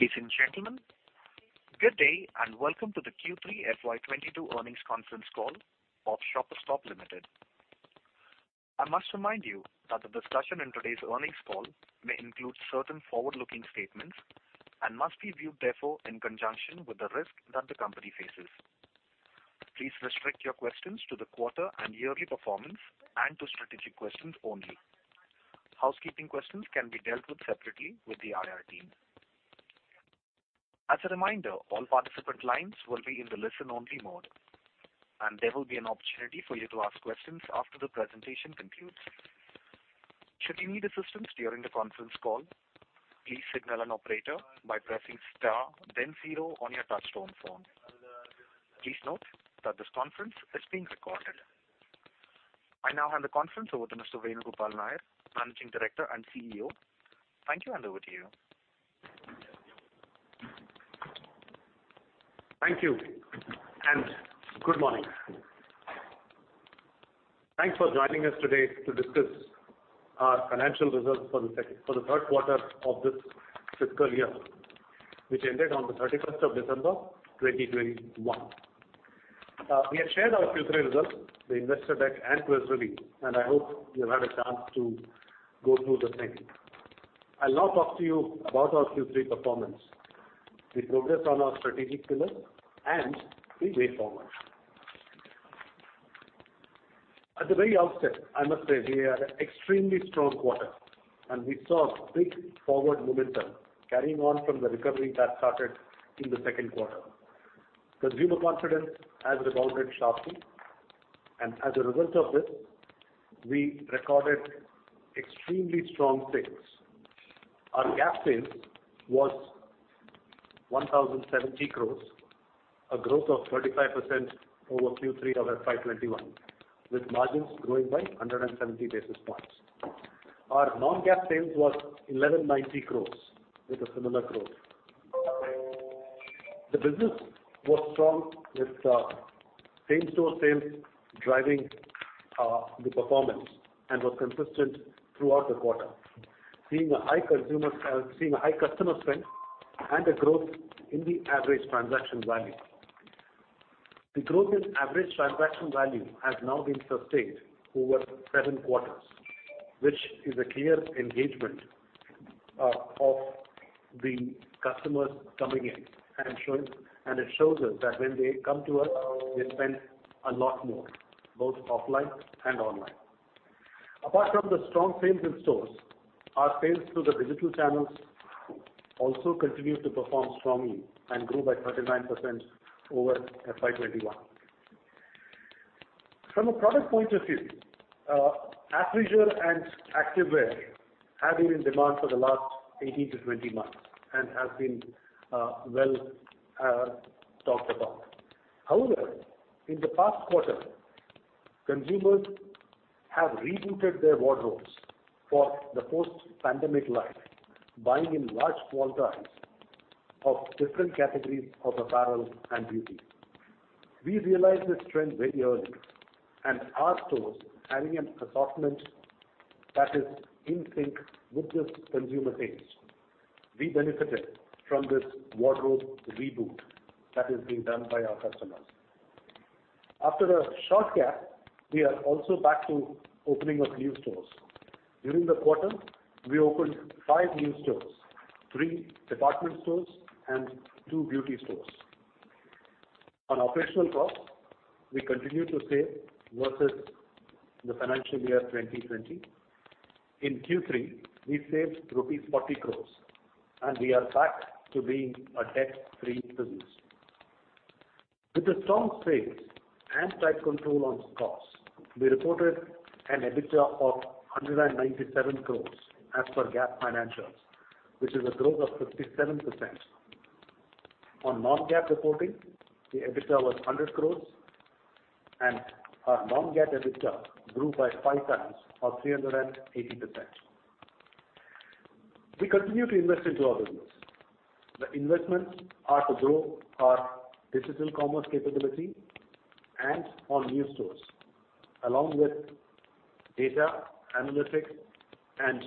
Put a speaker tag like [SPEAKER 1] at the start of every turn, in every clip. [SPEAKER 1] Ladies and gentlemen, good day, and welcome to the Q3 FY 2022 earnings conference call of Shoppers Stop Limited. I must remind you that the discussion in today's earnings call may include certain forward-looking statements and must be viewed therefore in conjunction with the risk that the company faces. Please restrict your questions to the quarter and yearly performance and to strategic questions only. Housekeeping questions can be dealt with separately with the IR team. As a reminder, all participant lines will be in the listen only mode, and there will be an opportunity for you to ask questions after the presentation concludes. Should you need assistance during the conference call, please signal an operator by pressing star then zero on your touchtone phone. Please note that this conference is being recorded. I now hand the conference over to Mr. Venugopal Nair, Managing Director and CEO. Thank you, and over to you.
[SPEAKER 2] Thank you, and good morning. Thanks for joining us today to discuss our financial results for the third quarter of this fiscal year, which ended on 31st of December 2021. We have shared our Q3 results, the investor deck and press release, and I hope you have had a chance to go through the same. I'll now talk to you about our Q3 performance, the progress on our strategic pillars and the way forward. At the very outset, I must say we had an extremely strong quarter, and we saw big forward momentum carrying on from the recovery that started in the second quarter. Consumer confidence has rebounded sharply, and as a result of this, we recorded extremely strong sales. Our GAAP sales was 1,070 crore, a growth of 35% over Q3 of FY 2021, with margins growing by 170 basis points. Our non-GAAP sales was 1,190 crore with a similar growth. The business was strong with same-store sales driving the performance and was consistent throughout the quarter, seeing a high customer strength and a growth in the average transaction value. The growth in average transaction value has now been sustained over seven quarters, which is a clear engagement of the customers coming in and showing. It shows us that when they come to us, they spend a lot more, both offline and online. Apart from the strong sales in stores, our sales through the digital channels also continued to perform strongly and grew by 39% over FY 2021. From a product point of view, athleisure and activewear have been in demand for the last 18-20 months and have been well talked about. However, in the past quarter, consumers have recentered their wardrobes for the post-pandemic life, buying in large quantities of different categories of apparel and beauty. We realized this trend very early, and our stores having an assortment that is in sync with this consumer taste, we benefited from this wardrobe reboot that is being done by our customers. After a short gap, we are also back to opening of new stores. During the quarter, we opened five new stores, three department stores and two beauty stores. On operational cost, we continue to save versus the financial year 2020. In Q3, we saved 40 crore rupees, and we are back to being a debt-free business. With the strong sales and tight control on costs, we reported an EBITDA of 197 crore as per GAAP financials, which is a growth of 57%. On non-GAAP reporting, the EBITDA was 100 crore, and our non-GAAP EBITDA grew by 5x or 380%. We continue to invest into our business. The investments are to grow our digital commerce capability and on new stores, along with data analytics and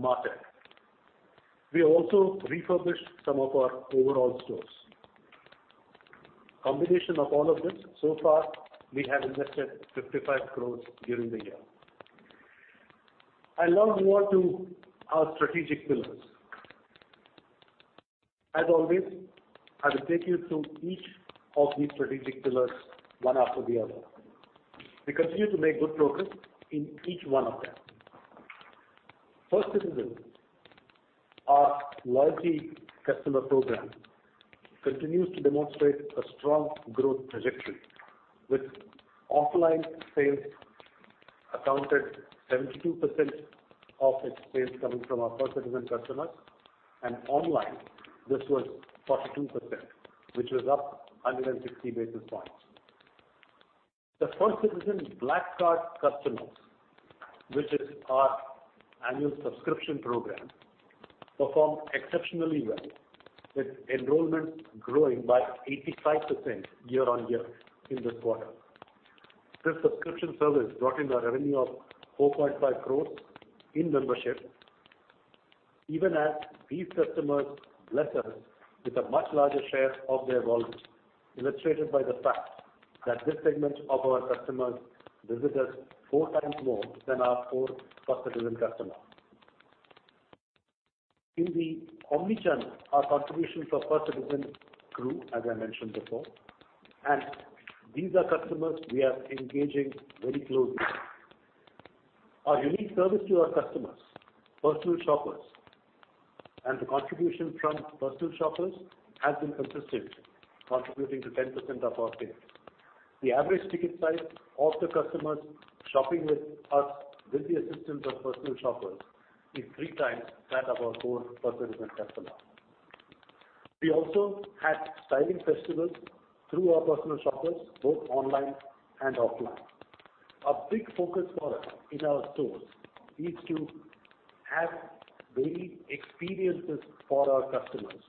[SPEAKER 2] marketing. We also refurbished some of our overall stores. Combination of all of this, so far we have invested 55 crore during the year. I now move on to our strategic pillars. As always, I will take you through each of these strategic pillars one after the other. We continue to make good progress in each one of them. First Citizen, our customer loyalty program, continues to demonstrate a strong growth trajectory with offline sales accounting for 72% of its sales coming from our First Citizen customers, and online this was 42%, which was up 160 basis points. The First Citizen Black Card customers, which is our annual subscription program, performed exceptionally well, with enrollments growing by 85% year-on-year in this quarter. This subscription service brought in a revenue of 4.5 crore in membership, even as these customers bless us with a much larger share of their wallet, illustrated by the fact that this segment of our customers visit us four times more than our core First Citizen customer. In the omni-channel, our contribution for First Citizen grew, as I mentioned before, and these are customers we are engaging very closely. Our unique service to our customers, personal shoppers, and the contribution from personal shoppers has been consistent, contributing to 10% of our sales. The average ticket size of the customers shopping with us with the assistance of personal shoppers is three times that of our core First Citizen customer. We also had styling festivals through our personal shoppers, both online and offline. A big focus for us in our stores is to have varied experiences for our customers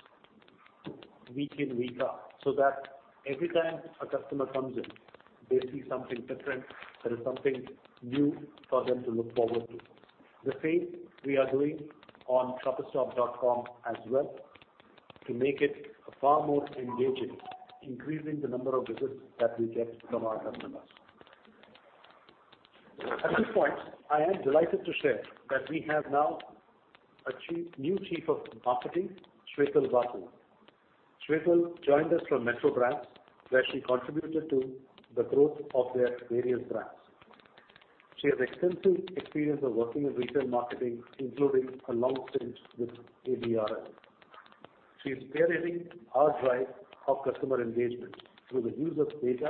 [SPEAKER 2] week in, week out, so that every time a customer comes in, they see something different, there is something new for them to look forward to. The same we are doing on shoppersstop.com as well to make it far more engaging, increasing the number of visits that we get from our customers. At this point, I am delighted to share that we have now a new Chief of Marketing, Shwetal Basu. Shwetal joined us from Metro Brands, where she contributed to the growth of their various brands. She has extensive experience of working in retail marketing, including a long stint with ABRL. She's spearheading our drive of customer engagement through the use of data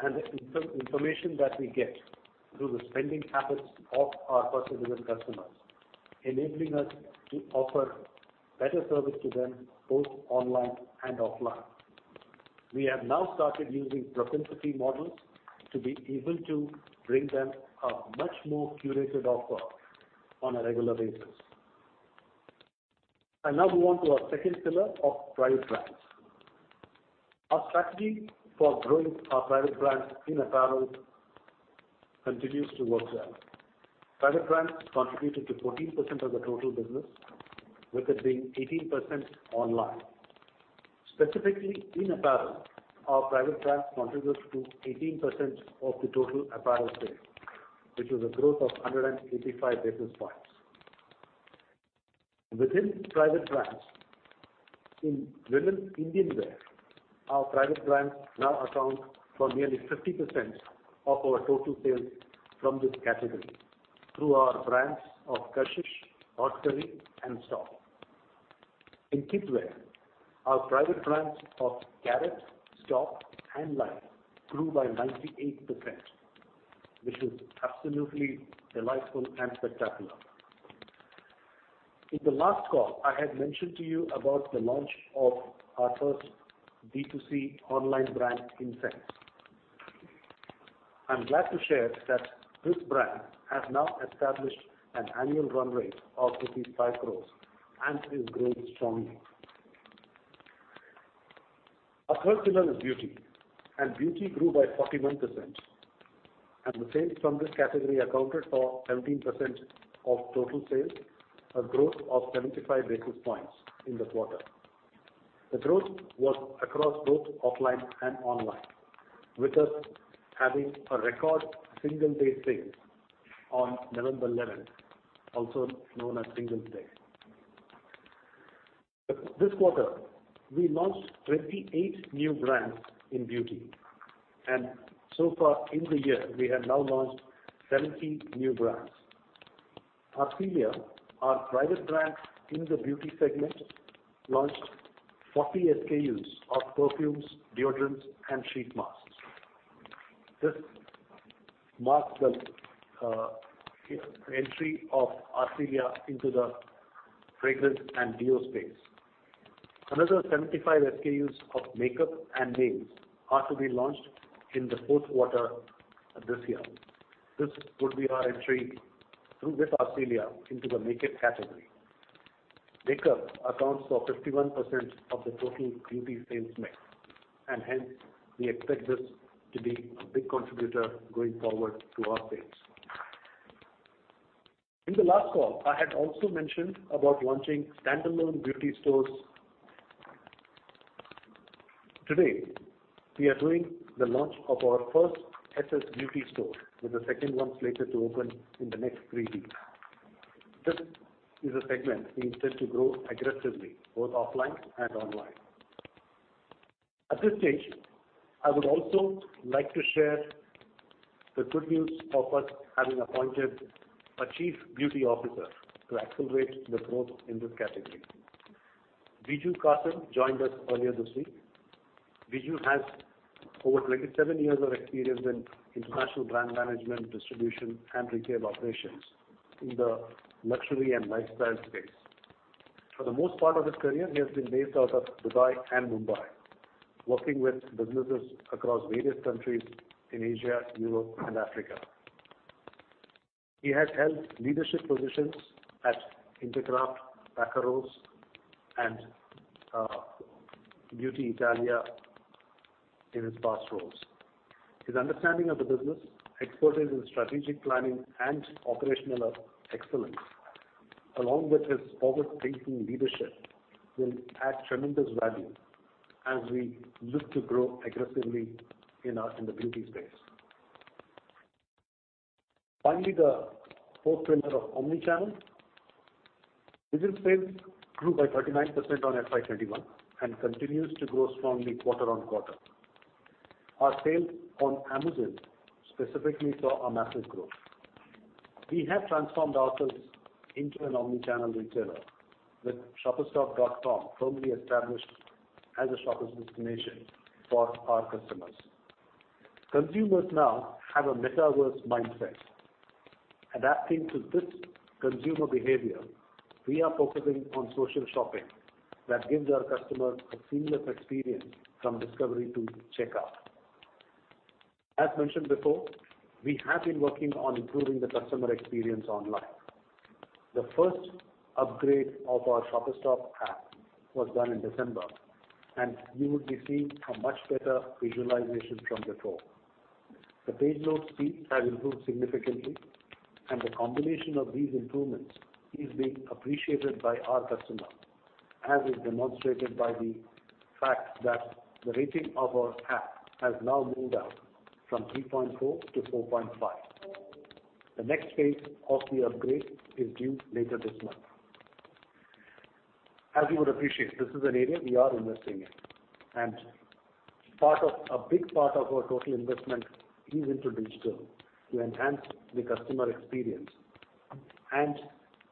[SPEAKER 2] and the information that we get through the spending habits of our First Citizen customers, enabling us to offer better service to them, both online and offline. We have now started using propensity models to be able to bring them a much more curated offer on a regular basis. I now move on to our second pillar of Private Brands. Our strategy for growing our Private Brands in apparel continues to work well. Private Brands contributed to 14% of the total business, with it being 18% online. Specifically in apparel, our Private Brands contributes to 18% of the total apparel sales, which is a growth of 185 basis points. Within Private Brands, in women's Indian wear, our Private Brands now account for nearly 50% of our total sales from this category through our brands of Kashish, Haute Curry and STOP. In kids wear, our Private Brands of Karrot, STOP, and Life grew by 98%, which is absolutely delightful and spectacular. In the last call, I had mentioned to you about the launch of our first B2C online brand, Insense. I'm glad to share that this brand has now established an annual run rate of rupees 55 crore and is growing strongly. Our third pillar is Beauty, and Beauty grew by 41%. The sales from this category accounted for 17% of total sales, a growth of 75 basis points in the quarter. The growth was across both offline and online, with us having a record single-day sale on November 11, also known as Singles' Day. This quarter, we launched 28 new brands in Beauty, and so far in the year, we have now launched 70 new brands. Arcelia, our Private Brand in the Beauty segment, launched 40 SKUs of perfumes, deodorants, and sheet masks. This marks the entry of Arcelia into the fragrance and deo space. Another 75 SKUs of makeup and nails are to be launched in the fourth quarter this year. This would be our entry through this Arcelia into the makeup category. Makeup accounts for 51% of the total Beauty sales mix, and hence we expect this to be a big contributor going forward to our sales. In the last call, I had also mentioned about launching standalone beauty stores. Today, we are doing the launch of our first SS Beauty store, with the second one slated to open in the next three weeks. This is a segment we intend to grow aggressively, both offline and online. At this stage, I would also like to share the good news of us having appointed a Chief Beauty Officer to accelerate the growth in this category. Biju Kassim joined us earlier this week. Biju has over 27 years of experience in international brand management, distribution, and retail operations in the luxury and lifestyle space. For the most part of his career, he has been based out of Dubai and Mumbai, working with businesses across various countries in Asia, Europe, and Africa. He has held leadership positions at Intercraft, Baccarose, and Beauty Italia in his past roles. His understanding of the business, expertise in strategic planning and operational excellence, along with his forward-facing leadership, will add tremendous value as we look to grow aggressively in the beauty space. Finally, the fourth pillar of omnichannel. Digital sales grew by 39% on FY 2021 and continues to grow strongly quarter-on-quarter. Our sales on Amazon specifically saw a massive growth. We have transformed ourselves into an omnichannel retailer with shoppersstop.com firmly established as a shopper's destination for our customers. Consumers now have a metaverse mindset. Adapting to this consumer behavior, we are focusing on social shopping that gives our customers a seamless experience from discovery to checkout. As mentioned before, we have been working on improving the customer experience online. The first upgrade of our Shoppers Stop app was done in December, and you would be seeing a much better visualization from before. The page load speeds have improved significantly, and the combination of these improvements is being appreciated by our customers, as is demonstrated by the fact that the rating of our app has now moved up from 3.4 to 4.5. The next phase of the upgrade is due later this month. As you would appreciate, this is an area we are investing in, and a big part of our total investment is into digital to enhance the customer experience and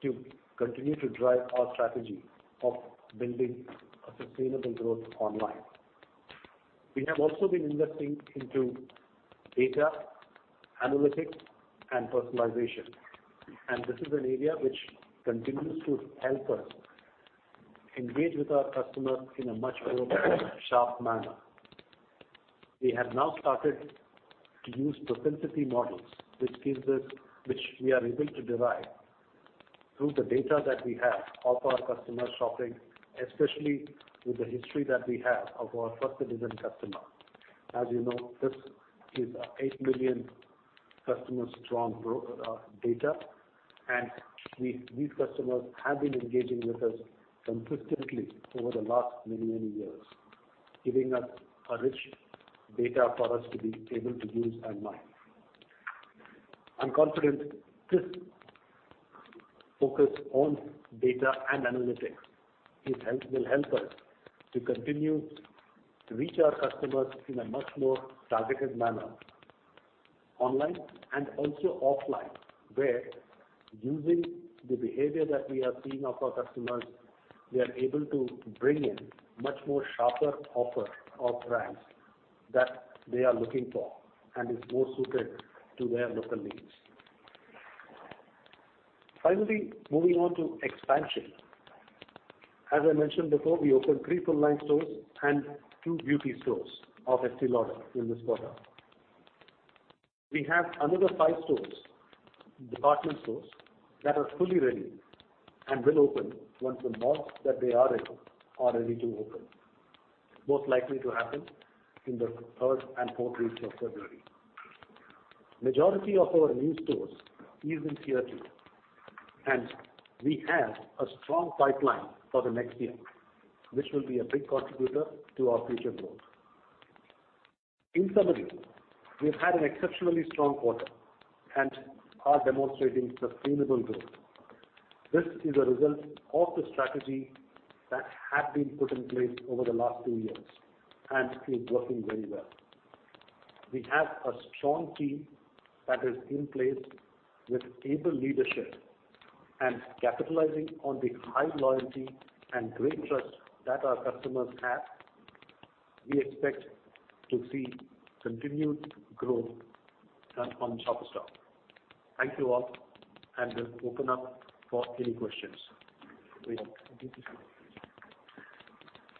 [SPEAKER 2] to continue to drive our strategy of building a sustainable growth online. We have also been investing into data analytics and personalization, and this is an area which continues to help us engage with our customers in a much more sharp manner. We have now started to use propensity models, which we are able to derive through the data that we have of our customer shopping, especially with the history that we have of our trusted customer. As you know, this is 8 million customer strong growth data, and these customers have been engaging with us consistently over the last many years, giving us a rich data for us to be able to use and mine. I'm confident this focus on data and analytics will help us to continue to reach our customers in a much more targeted manner online and also offline, where using the behavior that we are seeing of our customers, we are able to bring in much more sharper offering of brands that they are looking for, and it's more suited to their local needs. Finally, moving on to expansion. As I mentioned before, we opened three full line stores and two beauty stores of SS Beauty in this quarter. We have another five stores, department stores that are fully ready and will open once the malls that they are in are ready to open. Most likely to happen in the third and fourth week of February. Majority of our new stores is in Tier 2, and we have a strong pipeline for the next year, which will be a big contributor to our future growth. In summary, we've had an exceptionally strong quarter and are demonstrating sustainable growth. This is a result of the strategy that had been put in place over the last two years and is working very well. We have a strong team that is in place with able leadership and capitalizing on the high loyalty and great trust that our customers have. We expect to see continued growth at Shoppers Stop. Thank you all, and we'll open up for any questions.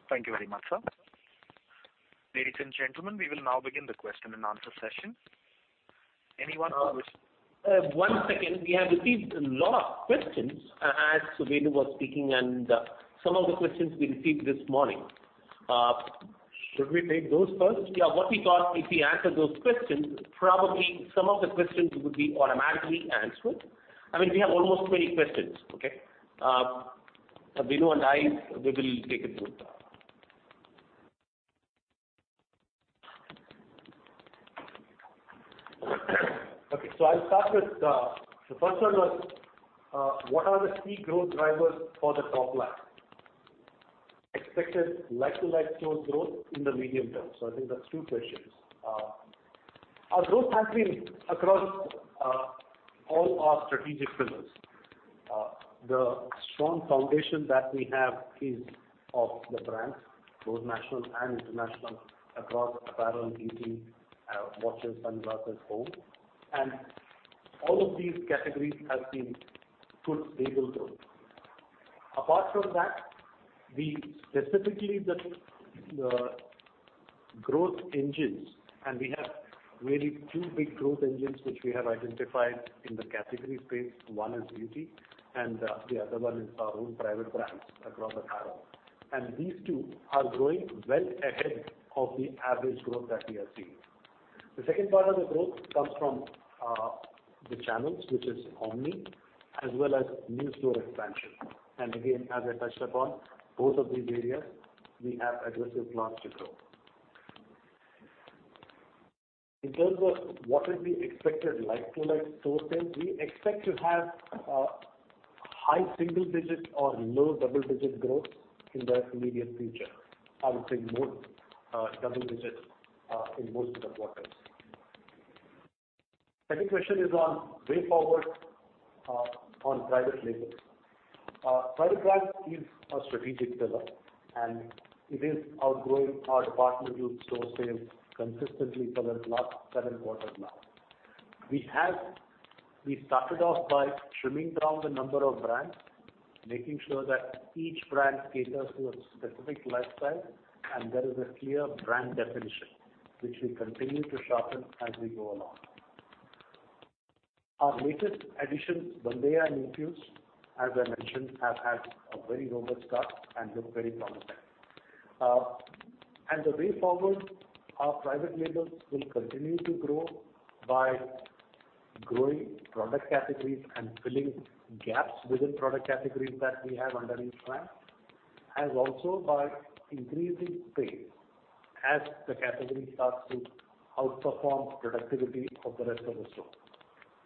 [SPEAKER 1] Thank you very much, sir. Ladies and gentlemen, we will now begin the question and answer session. Anyone who wish.
[SPEAKER 3] One second. We have received a lot of questions as Venu was speaking, and some of the questions we received this morning.
[SPEAKER 2] Should we take those first?
[SPEAKER 3] Yeah. What we thought, if we answer those questions, probably some of the questions would be automatically answered. I mean, we have almost 20 questions. Venu and I, we will take it through.
[SPEAKER 2] I'll start with the first one, what are the key growth drivers for the top line? Expected like-for-like store growth in the medium term. I think that's two questions. Our growth has been across all our strategic pillars. The strong foundation that we have is of the brands, both national and international, across apparel and beauty, watches, sunglasses, home. All of these categories has seen good stable growth. Apart from that, we specifically the growth engines, and we have really two big growth engines which we have identified in the category space. One is Beauty, and the other one is our own Private Brands across the apparel. These two are growing well ahead of the average growth that we are seeing. The second part of the growth comes from the channels, which is omni-channel, as well as new store expansion. Again, as I touched upon both of these areas, we have aggressive plans to grow. In terms of what is the expected like-for-like store sales, we expect to have high single digits or low double-digit growth in the immediate future. I would say more double digits in most of the quarters. Second question is on way forward on private label. Private Brand is a strategic pillar, and it is outgrowing our department store sales consistently for the last seven quarters now. We started off by trimming down the number of brands, making sure that each brand caters to a specific lifestyle, and there is a clear brand definition, which we continue to sharpen as we go along. Our latest additions, Bandeya and In.Fuse, as I mentioned, have had a very robust start and look very promising. The way forward, our private labels will continue to grow by growing product categories and filling gaps within product categories that we have under each brand, as also by increasing space as the category starts to outperform productivity of the rest of the store.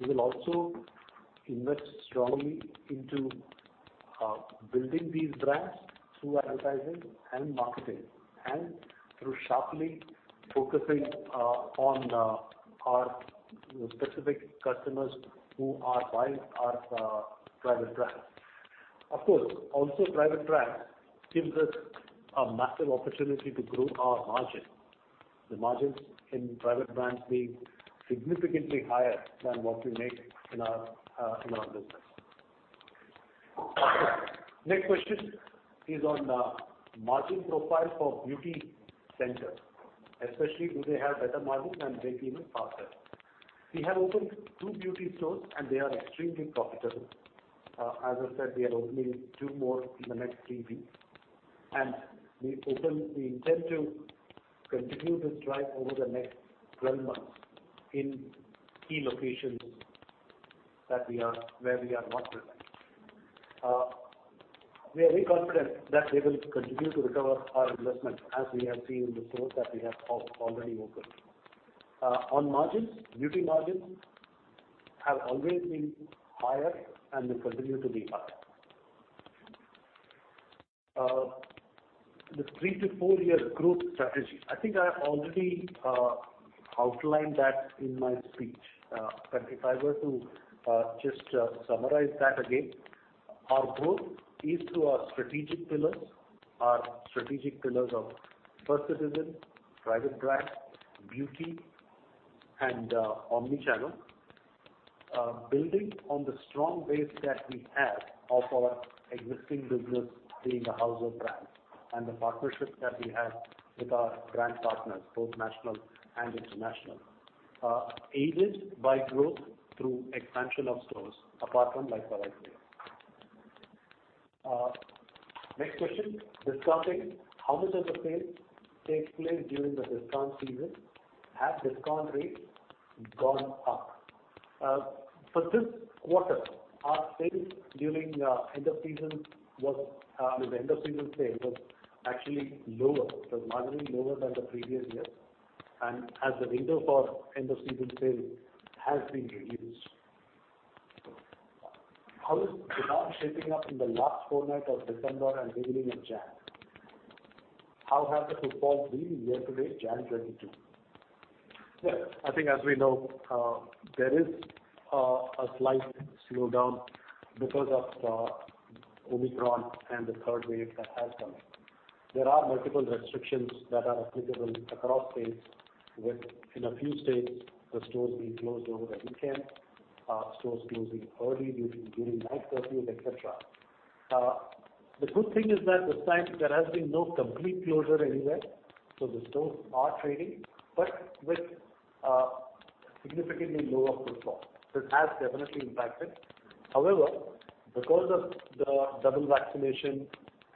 [SPEAKER 2] We will also invest strongly into building these brands through advertising and marketing and through sharply focusing on our specific customers who are buying our Private Brands. Of course, also Private Brands gives us a massive opportunity to grow our margin, the margins in Private Brands being significantly higher than what we make in our business. Next question is on the margin profile for Beauty centers, especially do they have better margins than the rest of the formats? We have opened two beauty stores, and they are extremely profitable. As I said, we are opening two more in the next three weeks, and we intend to continue this drive over the next 12 months in key locations where we are not present. We are very confident that we will continue to recover our investment as we have seen in the stores that we have already opened. On margins, Beauty margins have always been higher and will continue to be higher. The three-four-year growth strategy, I think I have already outlined that in my speech. If I were to just summarize that again, our growth is through our strategic pillars of First Citizen, Private Brands, Beauty and omni channel, building on the strong base that we have of our existing business being a house of brands and the partnerships that we have with our brand partners, both national and international, aided by growth through expansion of stores apart from like-for-like sales. Next question, discounting, how much of the sales takes place during the discount season? Have discount rates gone up? For this quarter, our sales during end of season was actually lower. It was marginally lower than the previous year. As a result, the end of season sale has been reduced. How is discount shaping up in the last four months of December and beginning of January? How has the footfall been year to date, January 2022? Yes. I think as we know, there is a slight slowdown because of Omicron and the third wave that has come. There are multiple restrictions that are applicable across states, within a few states the stores being closed over a weekend, stores closing early during night curfew, etc. The good thing is that this time there has been no complete closure anywhere, so the stores are trading, but with significantly lower footfall. It has definitely impacted. However, because of the double vaccination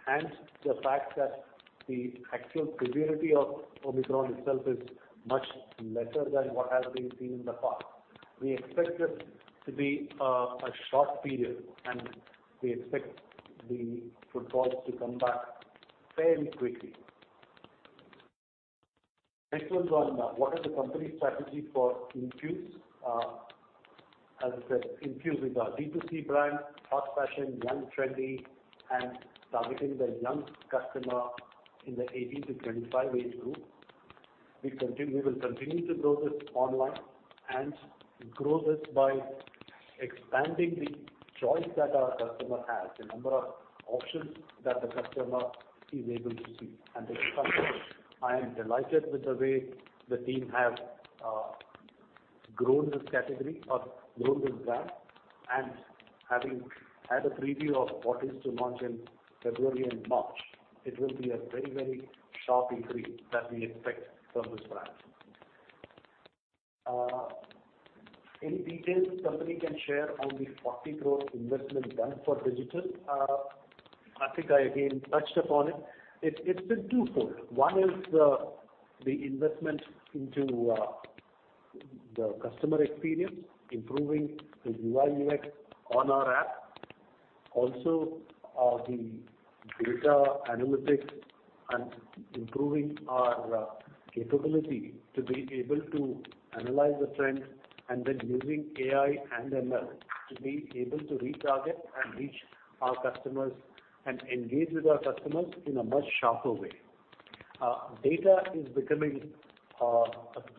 [SPEAKER 2] and the fact that the actual severity of Omicron itself is much lesser than what has been seen in the past, we expect this to be a short period, and we expect the footfalls to come back fairly quickly. Next one's on what is the company's strategy for In.Fuse? As I said, In.Fuse Is our D2C brand, fast fashion, young, trendy, and targeting the young customer in the 18-25 age group. We will continue to grow this online and grow this by expanding the choice that our customer has, the number of options that the customer is able to see. The customer, I am delighted with the way the team have grown this category or grown this brand. Having had a preview of what is to launch in February and March, it will be a very, very sharp increase that we expect from this brand. Any details the company can share on the 40 crore investment done for digital? I think I again touched upon it. It's been twofold. One is the investment into the customer experience, improving the UI/UX on our app. Also, the data analytics and improving our capability to be able to analyze the trends and then using AI and ML to be able to retarget and reach our customers and engage with our customers in a much sharper way. Data is becoming a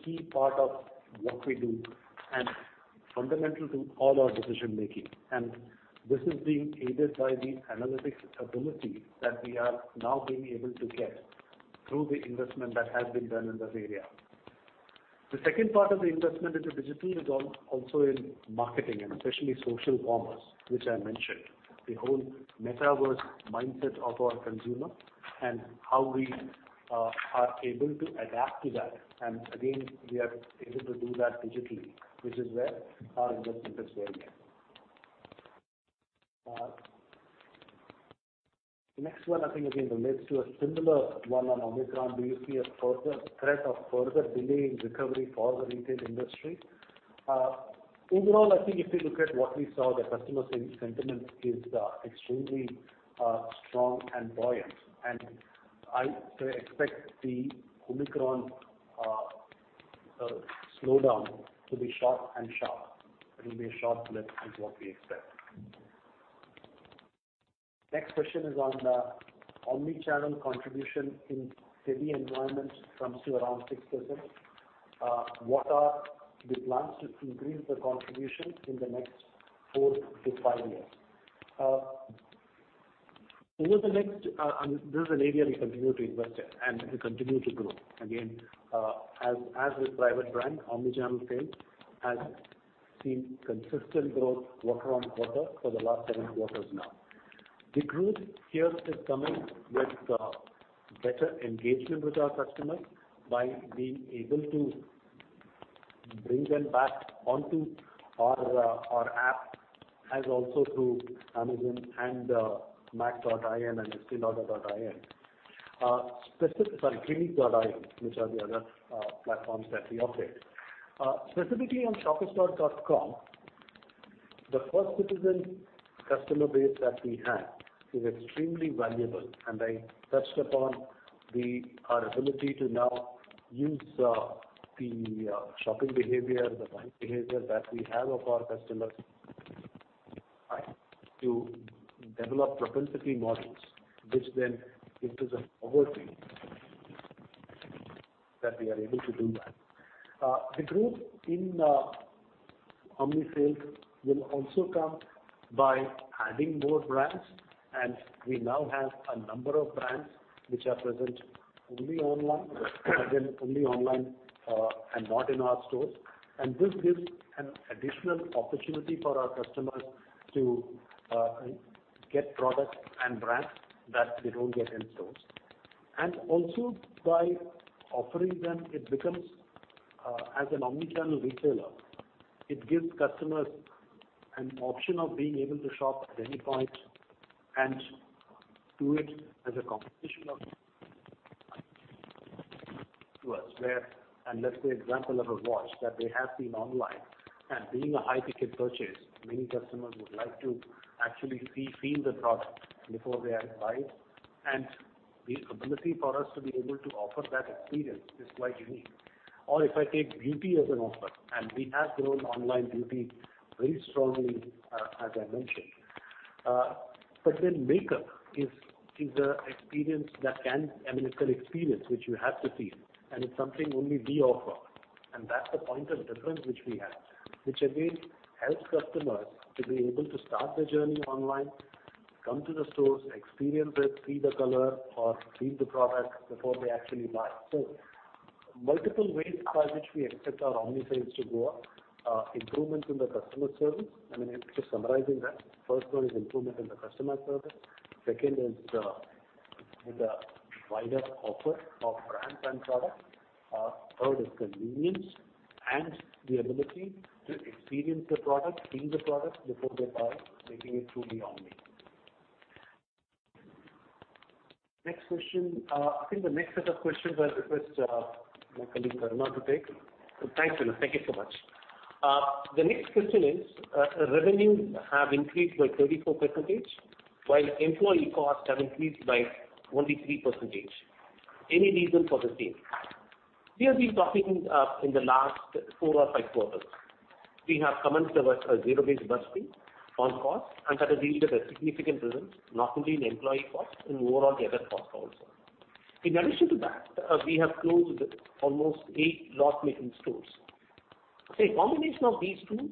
[SPEAKER 2] key part of what we do and fundamental to all our decision making. This is being aided by the analytics capability that we are now being able to get through the investment that has been done in this area. The second part of the investment into digital is also in marketing and especially social commerce, which I mentioned. The whole metaverse mindset of our consumer and how we are able to adapt to that. Again, we are able to do that digitally, which is where our investment is going in. The next one I think again relates to a similar one on Omicron. Do you see a further threat of further delay in recovery for the retail industry? Overall, I think if you look at what we saw, the customer sentiment is extremely strong and buoyant. I expect the Omicron slowdown to be short and sharp. It will be a short blip, which is what we expect. Next question is on the omnichannel contribution in city environments, which comes to around 6%. What are the plans to increase the contribution in the next four-five years? This is an area we continue to invest in and we continue to grow. Again, as with Private Brand, omnichannel sales has seen consistent growth quarter-on-quarter for the last seven quarters now. The growth here is coming with better engagement with our customers by being able to bring them back onto our app, as also through Amazon and nykaa.in and stillorder.in. Sorry, kimiss.in, which are the other platforms that we operate. Specifically on shoppersstop.com, the First Citizen customer base that we have is extremely valuable, and I touched upon our ability to now use the shopping behavior, the buying behavior that we have of our customers to develop propensity models, which then gives us a power play that we are able to do that. The growth in omni sales will also come by adding more brands, and we now have a number of brands which are present only online and not in our stores. This gives an additional opportunity for our customers to get products and brands that they don't get in stores. Also by offering them, it becomes as an omni channel retailer, it gives customers an option of being able to shop at any point and do it as a competition of to us where. Let's say example of a watch that they have seen online, and being a high ticket purchase, many customers would like to actually feel the product before they actually buy. The ability for us to be able to offer that experience is quite unique. If I take Beauty as an offer, and we have grown online Beauty very strongly, as I mentioned. But then makeup is an experience that I mean, it's an experience which you have to feel, and it's something only we offer. That's the point of difference which we have, which again, helps customers to be able to start their journey online, come to the stores, experience it, see the color, or feel the product before they actually buy. Multiple ways by which we expect our omni sales to go up. Improvements in the customer service. I mean, just summarizing that, first one is improvement in the customer service. Second is the widest offer of brand and product. Third is the convenience and the ability to experience the product, feel the product before they buy, taking it through the omni. Next question. I think the next set of questions I'll request my colleague, Karuna, to take.
[SPEAKER 3] Thanks, Vinu. Thank you so much. The next question is, revenues have increased by 34%, while employee costs have increased by only 3%. Any reason for the same? We have been talking in the last four or five quarters. We have commenced a zero-based budgeting on costs, and that has yielded a significant result, not only in employee costs, in overall the other costs also. In addition to that, we have closed almost eight loss-making stores. A combination of these two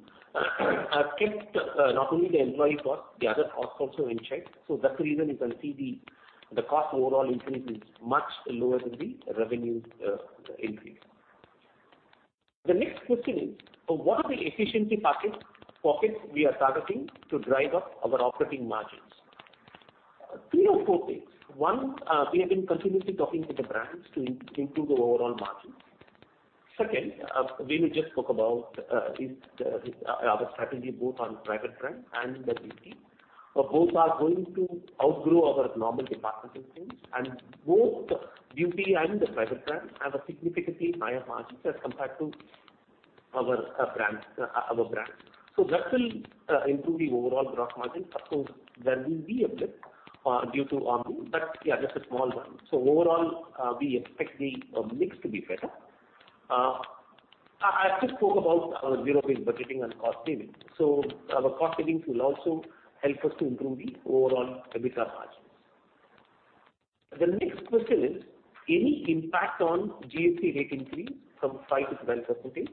[SPEAKER 3] have kept not only the employee cost, the other costs also in check. That's the reason you can see the cost overall increase is much lower than the revenue increase. The next question is, what are the efficiency pockets we are targeting to drive up our operating margins? Three or four things. One, we have been continuously talking with the brands to improve the overall margins. Second, Venu just spoke about our strategy both on Private Brand and the Beauty. Both are going to outgrow our normal department stores, and both Beauty and the Private Brand have a significantly higher margins as compared to our brands. That will improve the overall gross margin. Of course, there will be a blip due to Omni, but yeah, just a small one. Overall, we expect the mix to be better. I just spoke about our zero-based budgeting and cost savings. Our cost savings will also help us to improve the overall EBITDA margins. The next question is, any impact on GST rate increase from 5% to 12%?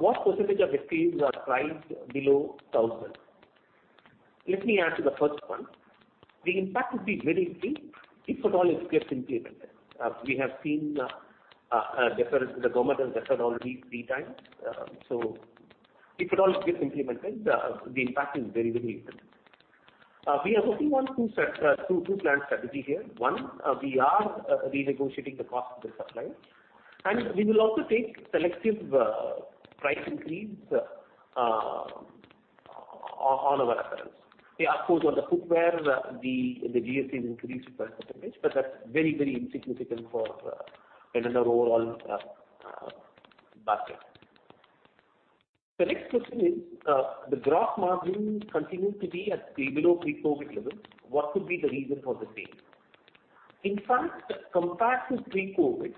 [SPEAKER 3] What percentage of SKUs are priced below 1,000? Let me answer the first one. The impact would be very little if at all it gets implemented. We have seen a deferral, the government has deferred already three times. If at all it gets implemented, the impact is very little. We are working on two-plan strategy here. One, we are renegotiating the cost with the suppliers, and we will also take selective price increase on our apparel. Yeah, of course, on the footwear, the GST has increased 5%, but that's very, very insignificant for, you know, the overall basket. The next question is, the gross margin continues to be at below pre-COVID levels. What could be the reason for the same? In fact, compared to pre-COVID,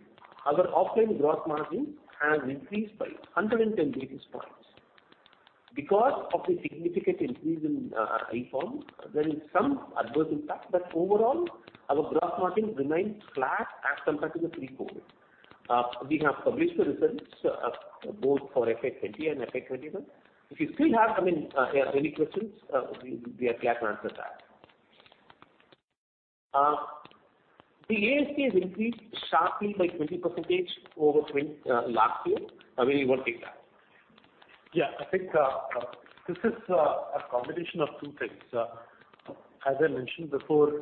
[SPEAKER 3] our offline gross margin has increased by 110 basis points. Because of the significant increase in eCom, there is some adverse impact, but overall, our gross margin remains flat as compared to the pre-COVID. We have published the results both for FY 2020 and FY 2021. If you still have, I mean, any questions, we are glad to answer that. The ASP has increased sharply by 20% over last year.
[SPEAKER 2] I really want to take that. Yeah. I think this is a combination of two things. As I mentioned before,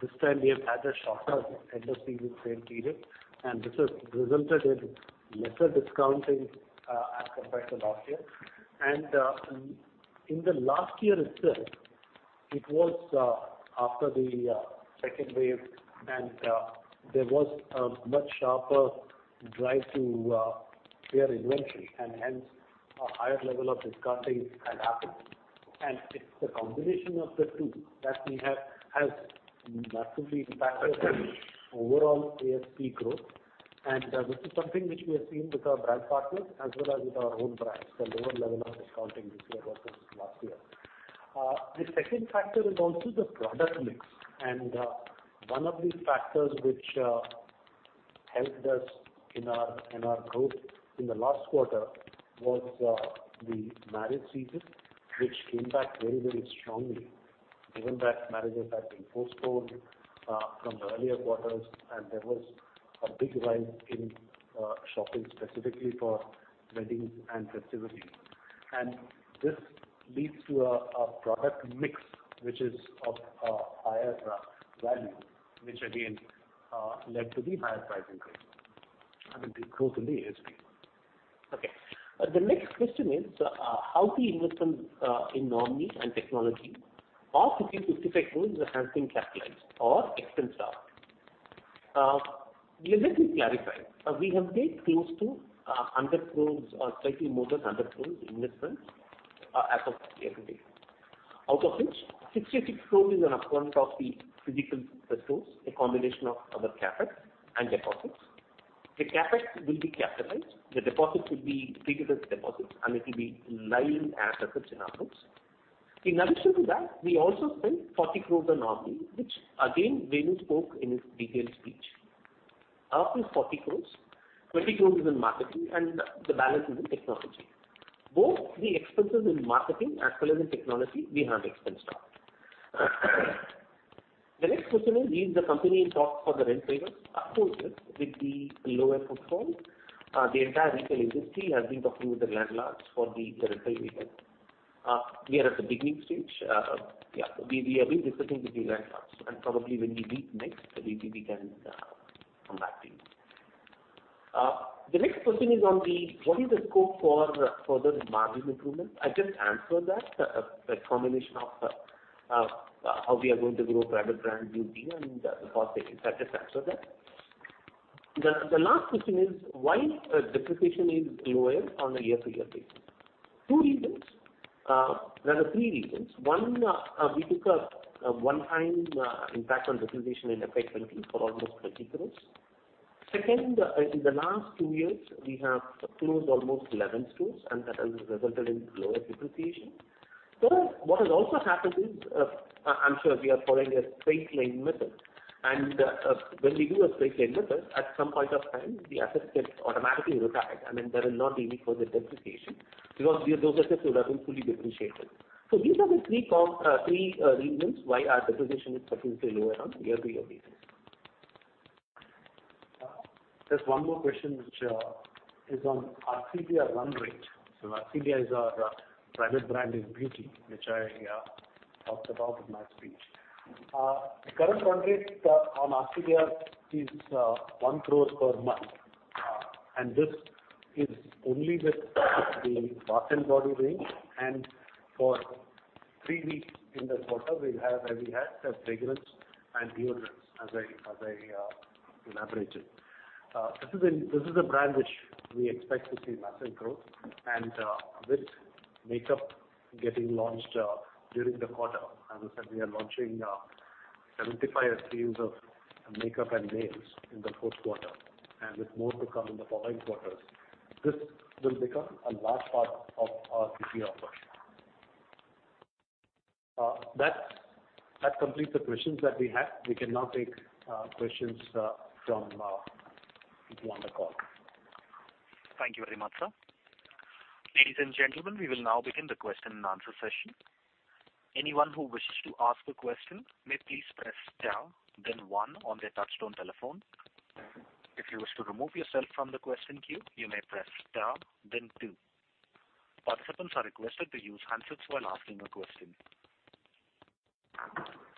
[SPEAKER 2] this time we have had a shorter end of season sale period, and this has resulted in lesser discounting as compared to last year. In the last year itself, it was after the second wave and there was a much sharper drive to clear inventory and hence a higher level of discounting had happened. It's the combination of the two that has massively impacted the overall ASP growth. This is something which we have seen with our brand partners as well as with our own brands, the lower level of discounting this year versus last year. The second factor is also the product mix. One of the factors which helped us in our growth in the last quarter was the marriage season, which came back very, very strongly, given that marriages had been postponed from the earlier quarters and there was a big rise in shopping specifically for weddings and festivities. This leads to a product mix, which is of higher value, which again led to the higher pricing discipline and improve the ASP.
[SPEAKER 3] Okay. The next question is, how the investments in omni and technology of INR 55 crore has been capitalized or expensed out? Yeah, let me clarify. We have made close to 100 crore or slightly more than 100 crore investments as of year to date. Out of which 68 crore is an upfront of the physical stores, a combination of our CapEx and deposits. The CapEx will be capitalized, the deposits will be treated as deposits, and it will be lying as deposits in our books. In addition to that, we also spent 40 crore on omni, which again Venu spoke in his detailed speech. Out of the 40 crore, 20 crore is in marketing and the balance is in technology. Both the expenses in marketing as well as in technology we have expensed out. The next question is the company in talks for the rent waivers? Of course, yes. With the lower footfall, the entire retail industry has been talking with the landlords for the rental waivers. We are at the beginning stage. We have been discussing with the landlords, and probably when we meet next, maybe we can come back to you. The next question is on the, what is the scope for further margin improvement? I just answered that. A combination of how we are going to grow Private Brand and Beauty and the cost savings. That just answers that. The last question is why depreciation is lower on a year-over-year basis? Two reasons. Rather three reasons. One, we took a one-time impact on depreciation in FY 2020 for almost 20 crore. Second, in the last two years, we have closed almost 11 stores and that has resulted in lower depreciation. Third, what has also happened is, I'm sure we are following a straight-line method. When we do a straight-line method, at some point of time, the assets get automatically retired. I mean, there is not any further depreciation because those assets would have been fully depreciated. These are the three reasons why our depreciation is potentially lower on year-to-year basis.
[SPEAKER 2] Just one more question which is on Arcelia run rate. Arcelia is our Private Brand and Beauty, which I talked about in my speech. The current run rate on Arcelia is 1 crore per month. This is only with the bath and body range. For three weeks in the quarter, we had fragrance and deodorants as I elaborated. This is a brand which we expect to see massive growth and with makeup getting launched during the quarter. As I said, we are launching 75 SKUs of makeup and nails in the fourth quarter, and with more to come in the following quarters. This will become a large part of our CP offer. That completes the questions that we have. We can now take questions from people on the call.
[SPEAKER 1] Thank you very much, sir. Ladies and gentlemen, we will now begin the Q&A session. Anyone who wishes to ask a question may please press star then one on their touchtone telephone. If you wish to remove yourself from the question queue, you may press star then two. Participants are requested to use handsets while asking a question.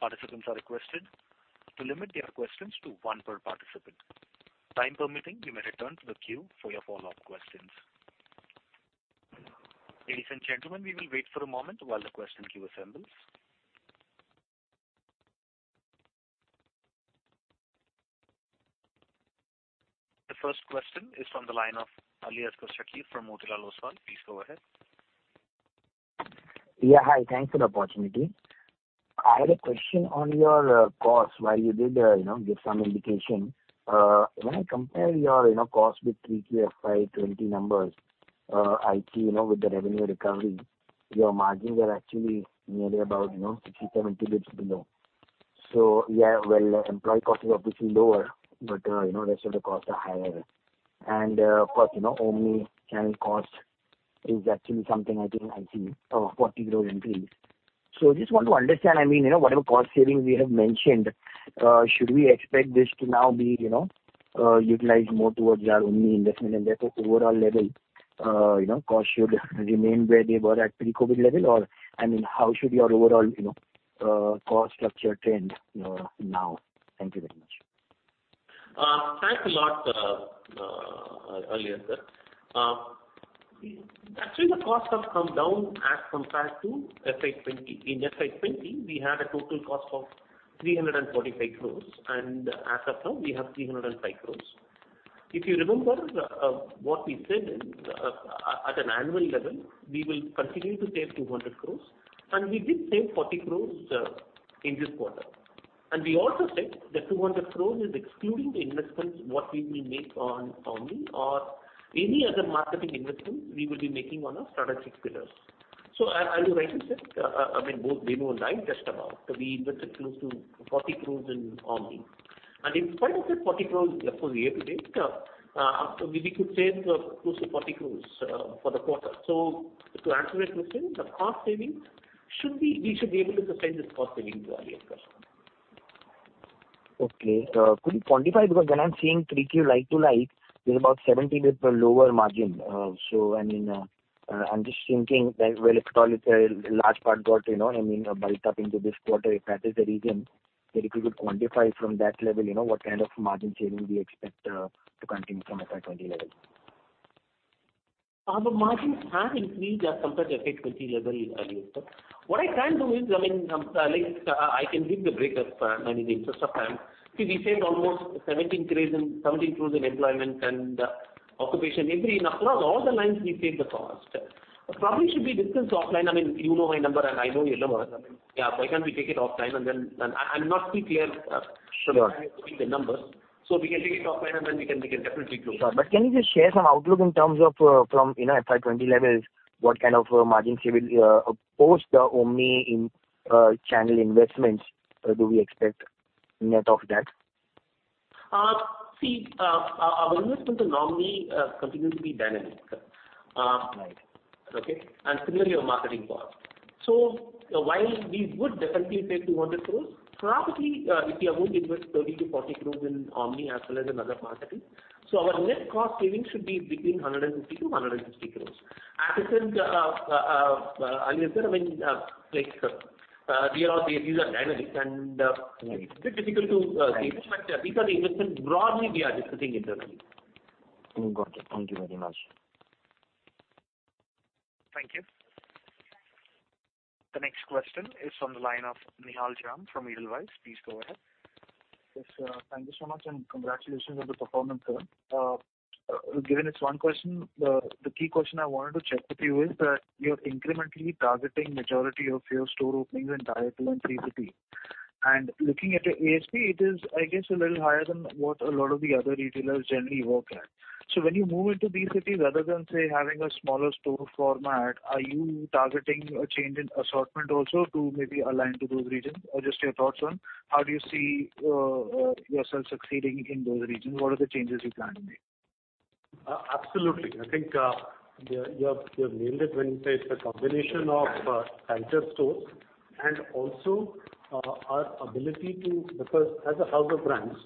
[SPEAKER 1] Participants are requested to limit their questions to one per participant. Time permitting, you may return to the queue for your follow-up questions. Ladies and gentlemen, we will wait for a moment while the question queue assembles. The first question is from the line of Aliasgar Shakir from Motilal Oswal. Please go ahead.
[SPEAKER 4] Yeah, hi. Thanks for the opportunity. I had a question on your costs while you did, you know, give some indication. When I compare your, you know, cost with 3Q FY 2020 numbers, I see, you know, with the revenue recovery, your margins are actually nearly about, you know, 60-70 bps below. Yeah, well, employee cost is obviously lower, but, you know, rest of the costs are higher. Of course you know omnichannel cost is actually something I think I see, 40 crore increase. Just want to understand, I mean, you know, whatever cost savings we have mentioned, should we expect this to now be, you know, utilized more towards our omni investment and therefore overall level, you know, costs should remain where they were at pre-COVID level or, I mean, how should your overall, you know, cost structure trend, now? Thank you very much.
[SPEAKER 3] Thanks a lot, Aliasgar. Actually the costs have come down as compared to FY 2020. In FY 2020, we had a total cost of 345 crore, and as of now we have 305 crore. If you remember what we said at an annual level, we will continue to save 200 crore, and we did save 40 crore in this quarter. We also said the 200 crore is excluding the investments what we will make on omni or any other marketing investments we will be making on our strategic pillars. As you rightly said, I mean, both Venu and I just about, we invested close to 40 crore in omni. In spite of that 40 crore, of course, year to date, we could save close to 40 crore for the quarter. To answer your question, the cost savings should be. We should be able to sustain this cost savings, Aliasgar.
[SPEAKER 4] Okay. Could you quantify? Because when I'm seeing Q3 like-to-like, there's about 70 basis points lower margin. So I mean, I'm just thinking that, well, if at all it's a large part got, you know, I mean, bulked up into this quarter, if that is the reason, that if you could quantify from that level, you know, what kind of margin saving we expect to continue from FY 2020 level?
[SPEAKER 3] The margins have increased as compared to FY 2020 level, Aliasgar. What I can do is, I mean, like I can give the breakdown in the interest of time. See, we saved almost 17 crore in employment and occupancy and across all the lines we saved the cost. Probably we should discuss offline, I mean, you know my number and I know your number. I mean, yeah, why can't we take it offline? I'm not too clear.
[SPEAKER 4] Sure.
[SPEAKER 3] To give the numbers. We can take it offline and then we can definitely close it.
[SPEAKER 4] Sure. Can you just share some outlook in terms of, from, you know, FY 2020 levels, what kind of margin saving post the omni-channel investments do we expect net of that?
[SPEAKER 3] See, our investment will normally continue to be dynamic.
[SPEAKER 4] Right.
[SPEAKER 3] Okay? Similarly, our marketing cost. While we would definitely save 200 crore, probably, if we are going to invest 30 crore-40 crore in omni as well as in other marketing. Our net cost savings should be between 150 crore and 160 crore. As I said, Aliasgar, I mean, like, these are dynamics.
[SPEAKER 4] Right.
[SPEAKER 3] And It's a bit difficult to say.
[SPEAKER 4] Right.
[SPEAKER 3] These are the investments broadly we are discussing internally.
[SPEAKER 4] Got it. Thank you very much.
[SPEAKER 1] Thank you. The next question is from the line of Nihal Jham from Edelweiss. Please go ahead.
[SPEAKER 5] Yes, sir. Thank you so much, and congratulations on the performance, sir. Given this one question, the key question I wanted to check with you is that you're incrementally targeting majority of your store openings in Tier 2 and Tier 3 cities. Looking at your ASP, it is, I guess, a little higher than what a lot of the other retailers generally work at. When you move into these cities, rather than, say, having a smaller store format, are you targeting a change in assortment also to maybe align to those regions? Or just your thoughts on how do you see yourself succeeding in those regions? What are the changes you plan to make?
[SPEAKER 2] Absolutely. I think you have nailed it when you say it's a combination of anchor stores and also our ability. Because as a house of brands,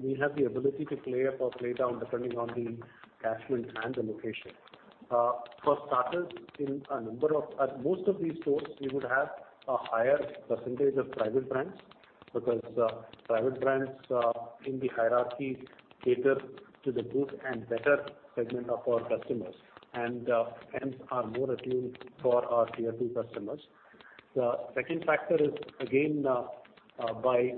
[SPEAKER 2] we have the ability to play up or play down depending on the catchment and the location. For starters, at most of these stores, we would have a higher percentage of Private Brands, because Private Brands in the hierarchy cater to the good and better segment of our customers, and hence are more attuned for our Tier 2 customers. The second factor is, again, by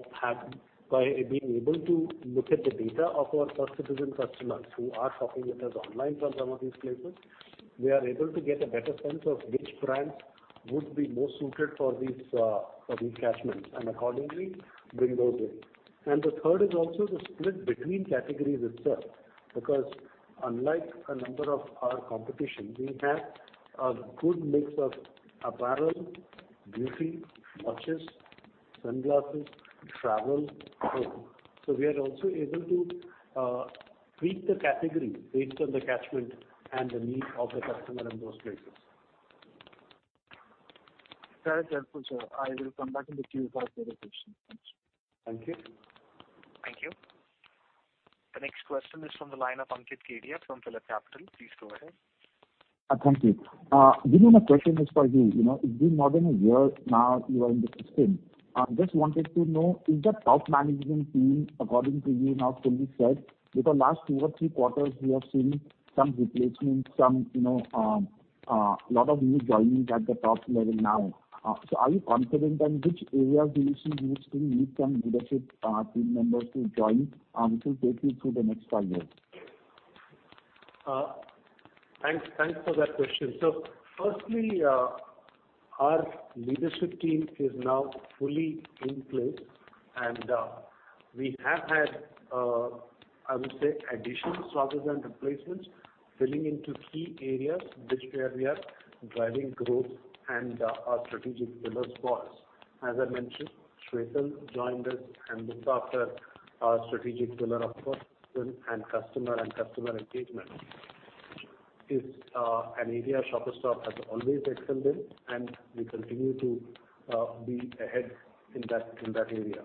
[SPEAKER 2] being able to look at the data of our First Citizen customers who are shopping with us online from some of these places, we are able to get a better sense of which brands would be more suited for these, for these catchments, and accordingly bring those in. The third is also the split between categories itself, because unlike a number of our competition, we have a good mix of apparel, beauty, watches, sunglasses, travel, home. We are also able to tweak the category based on the catchment and the need of the customer in those places.
[SPEAKER 5] Very helpful, sir. I will come back in the queue for further questions. Thanks.
[SPEAKER 2] Thank you.
[SPEAKER 1] Thank you. The next question is from the line of Ankit Kedia from PhillipCapital. Please go ahead.
[SPEAKER 6] Thank you. Venu, my question is for you. You know, it's been more than a year now you are in the system. Just wanted to know, is the top management team according to you now fully set? Because last two or three quarters we have seen some replacements, some, you know, lot of new joinees at the top level now. Are you confident and which areas do you see you still need some leadership team members to join to take you through the next five years?
[SPEAKER 2] Thanks for that question. Firstly, our leadership team is now fully in place, and we have had, I would say, additional slots and replacements filling into key areas where we are driving growth and are strategic pillars for us. As I mentioned, Shwetal joined us and looks after our strategic pillar of personal and customer engagement. This is an area Shoppers Stop has always excelled in, and we continue to be ahead in that area.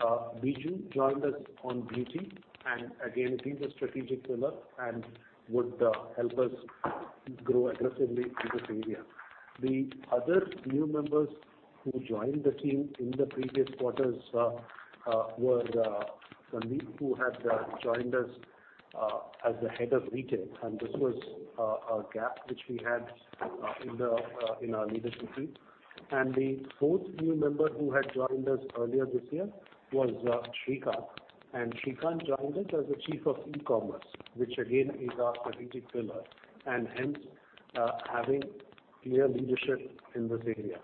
[SPEAKER 2] Biju joined us on Beauty, and again, it is a strategic pillar and would help us grow aggressively in this area. The other new members who joined the team in the previous quarters were Sandeep, who had joined us as the Head of Retail, and this was a gap which we had in our leadership team. The fourth new member who had joined us earlier this year was Srikanth. Srikanth joined us as the Chief of E-commerce, which again is our strategic pillar, and hence having clear leadership in this area.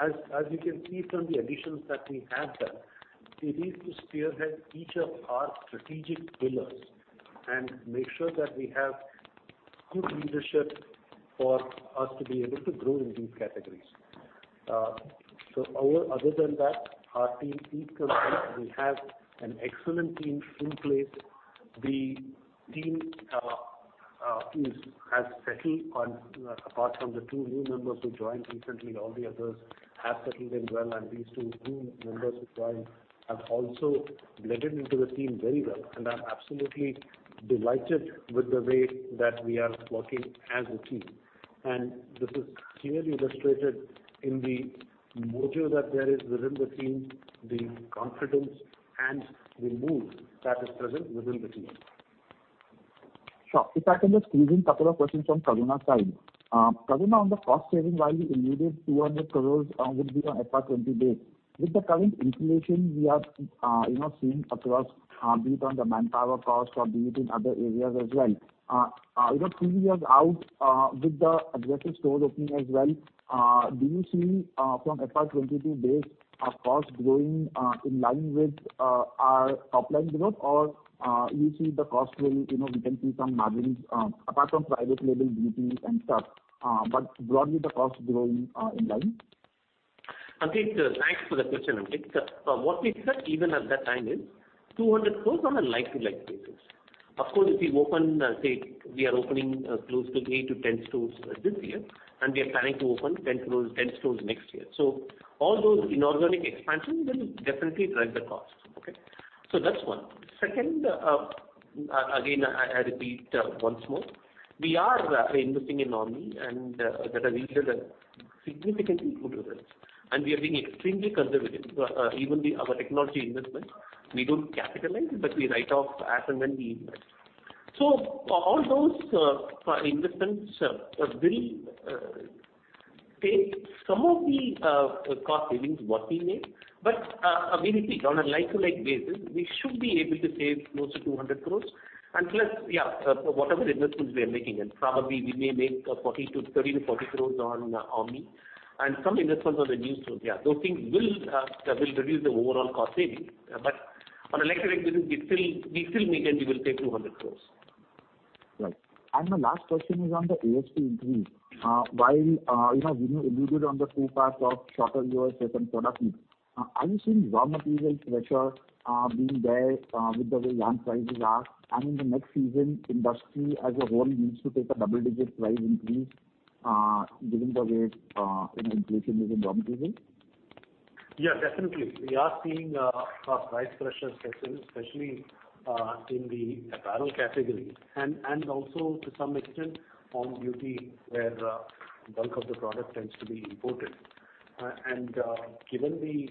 [SPEAKER 2] As you can see from the additions that we have done, it is to spearhead each of our strategic pillars and make sure that we have good leadership for us to be able to grow in these categories. Other than that, our team is complete. We have an excellent team in place. The team has settled in apart from the two new members who joined recently, all the others have settled in well, and these two new members who joined have also blended into the team very well. I'm absolutely delighted with the way that we are working as a team. This is clearly illustrated in the motivation that there is within the team, the confidence and the morale that is present within the team.
[SPEAKER 6] Sure. If I can just squeeze in a couple of questions from Karuna's side. Karuna, on the cost saving, while you alluded 200 crore will be on FY 2020 base. With the current inflation we are, you know, seeing across, be it on the manpower cost or be it in other areas as well, you know, three years out, with the aggressive stores opening as well, do you see, from FY 2022 base, our cost growing, in line with, our top line growth? Or, you see the cost will, you know, we can see some margins, apart from private label beauties and stuff, but broadly the cost growing, in line?
[SPEAKER 3] Ankit, thanks for the question, Ankit. What we said even at that time is 200 crore on a like-for-like basis. Of course, if we open, say we are opening close to eight-10 stores this year, and we are planning to open 10 stores next year. So all those inorganic expansion will definitely drive the costs. Okay. So that's one. Second, again, I repeat once more, we are investing in omni, and that has yielded significantly good results. We are being extremely conservative. Even our technology investment, we don't capitalize it, but we write off as and when we invest. So for all those investments will take some of the cost savings what we made. I think on a like-to-like basis, we should be able to save close to 200 crore. Plus, whatever investments we are making, and probably we may make 30 crore-40 crore on omni and some investments on the new stores. Those things will reduce the overall cost saving. On a like-to-like basis, we still maintain we will save 200 crore.
[SPEAKER 6] Right. My last question is on the ASP increase. While you know, when you alluded to the two parts of shorter year certain product mix, are you seeing raw material pressure being there with the way yarn prices are? In the next season, industry as a whole needs to take a double-digit price increase given the way you know inflation is in raw material.
[SPEAKER 2] Yeah, definitely. We are seeing price pressure, especially in the apparel category and also to some extent on beauty where bulk of the product tends to be imported. Given the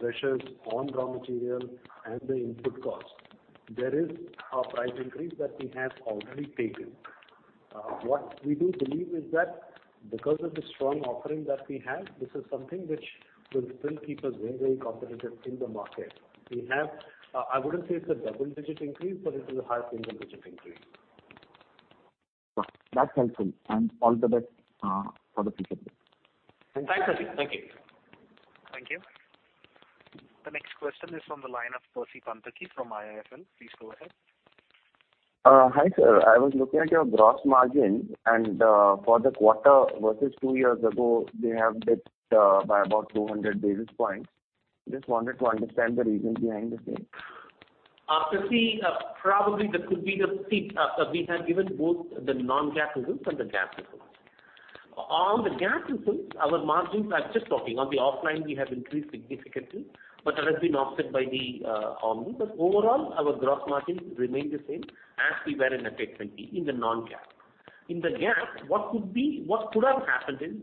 [SPEAKER 2] pressures on raw material and the input costs, there is a price increase that we have already taken. What we do believe is that because of the strong offering that we have, this is something which will still keep us very competitive in the market. I wouldn't say it's a double-digit increase, but it is a high single-digit increase.
[SPEAKER 6] That's helpful, and all the best for the future.
[SPEAKER 2] Thanks, Ankit. Thank you.
[SPEAKER 1] Thank you. The next question is from the line of Percy Panthaki from IIFL. Please go ahead.
[SPEAKER 7] Hi, sir. I was looking at your gross margin, and for the quarter versus two years ago, they have dipped by about 200 basis points. Just wanted to understand the reason behind the same.
[SPEAKER 3] Percy, probably that could be. See, we have given both the non-GAAP results and the GAAP results. On the GAAP results, our margins are just flat. On the offline, we have increased significantly, but that has been offset by the omni. Overall, our gross margins remain the same as we were in FY 2020 in the non-GAAP. In the GAAP, what could have happened is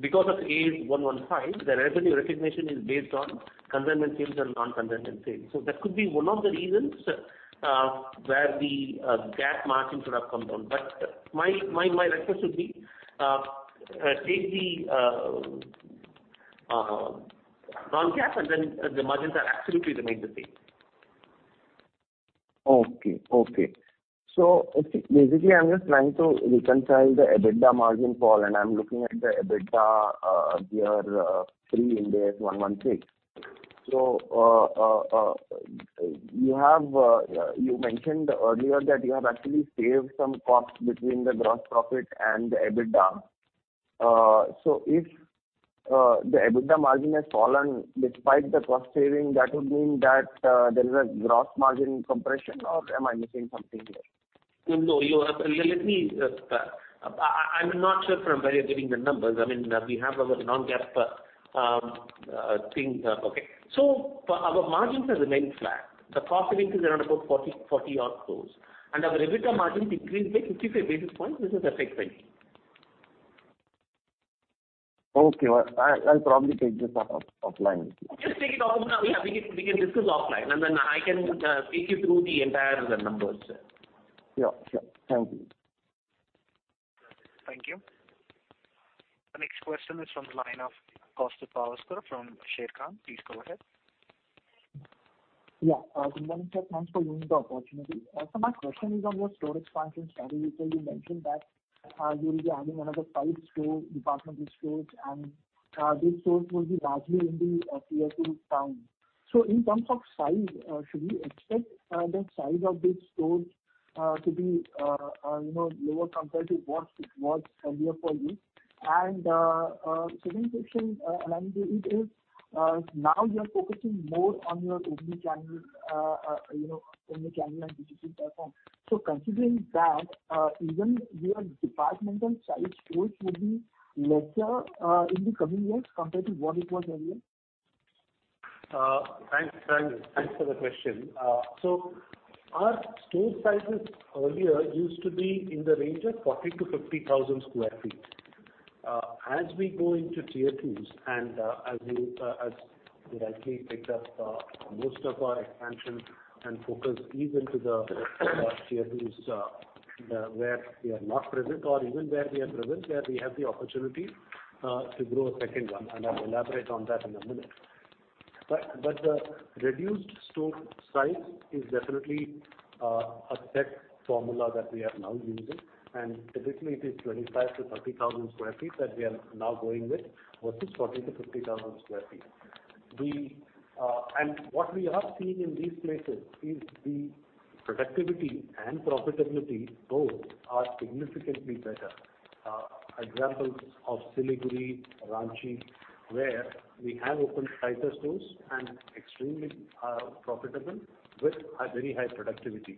[SPEAKER 3] because of Ind AS 115, the revenue recognition is based on consignment sales and non-consignment sales. That could be one of the reasons where the GAAP margin could have come down. My answer should be, take the non-GAAP, and then the margins absolutely remain the same.
[SPEAKER 7] Basically, I'm just trying to reconcile the EBITDA margin fall, and I'm looking at the EBITDA year three in the Ind AS 116. You mentioned earlier that you have actually saved some cost between the gross profit and the EBITDA. If the EBITDA margin has fallen despite the cost saving, that would mean that there is a gross margin compression, or am I missing something here?
[SPEAKER 3] No, let me, I'm not sure from where you're getting the numbers. I mean, we have our non-GAAP things. Okay. Our margins have remained flat. The cost savings are around 40-odd crore. Our EBITDA margin decreased by 55 basis points, which is a a safe range.
[SPEAKER 7] Okay. I'll probably take this offline with you.
[SPEAKER 3] Just take it off. Yeah, we can discuss offline, and then I can take you through the entire numbers.
[SPEAKER 7] Yeah. Sure. Thank you.
[SPEAKER 1] Thank you. The next question is from the line of Kaustubh Pawaskar from Sharekhan. Please go ahead.
[SPEAKER 8] Yeah. Good morning, sir. Thanks for giving the opportunity. My question is on your store expansion strategy. You mentioned that you will be adding another five stores, department stores, and these stores will be largely in the Tier 2 towns. In terms of size, should we expect the size of these stores to be, you know, lower compared to what it was earlier for you? Second question related is, now you are focusing more on your omnichannel, you know, omnichannel and digital platform. Considering that, even your department store sizes would be lesser in the coming years compared to what it was earlier?
[SPEAKER 2] Thanks. Thanks for the question. Our store sizes earlier used to be in the range of 40,000 sq ft-50,000 sq ft. As we go into Tier 2s and, as you rightly picked up, most of our expansion and focus is into the Tier 2, where we are not present or even where we are present, where we have the opportunity to grow a second one, and I'll elaborate on that in a minute. The reduced store size is definitely a set formula that we are now using. Typically it is 25,000 sq ft-30,000 sq ft that we are now going with versus 40,000 sq ft-50,000 sq ft. What we are seeing in these places is the productivity and profitability both are significantly better. Examples of Siliguri, Ranchi, where we have opened smaller stores and extremely profitable with a very high productivity.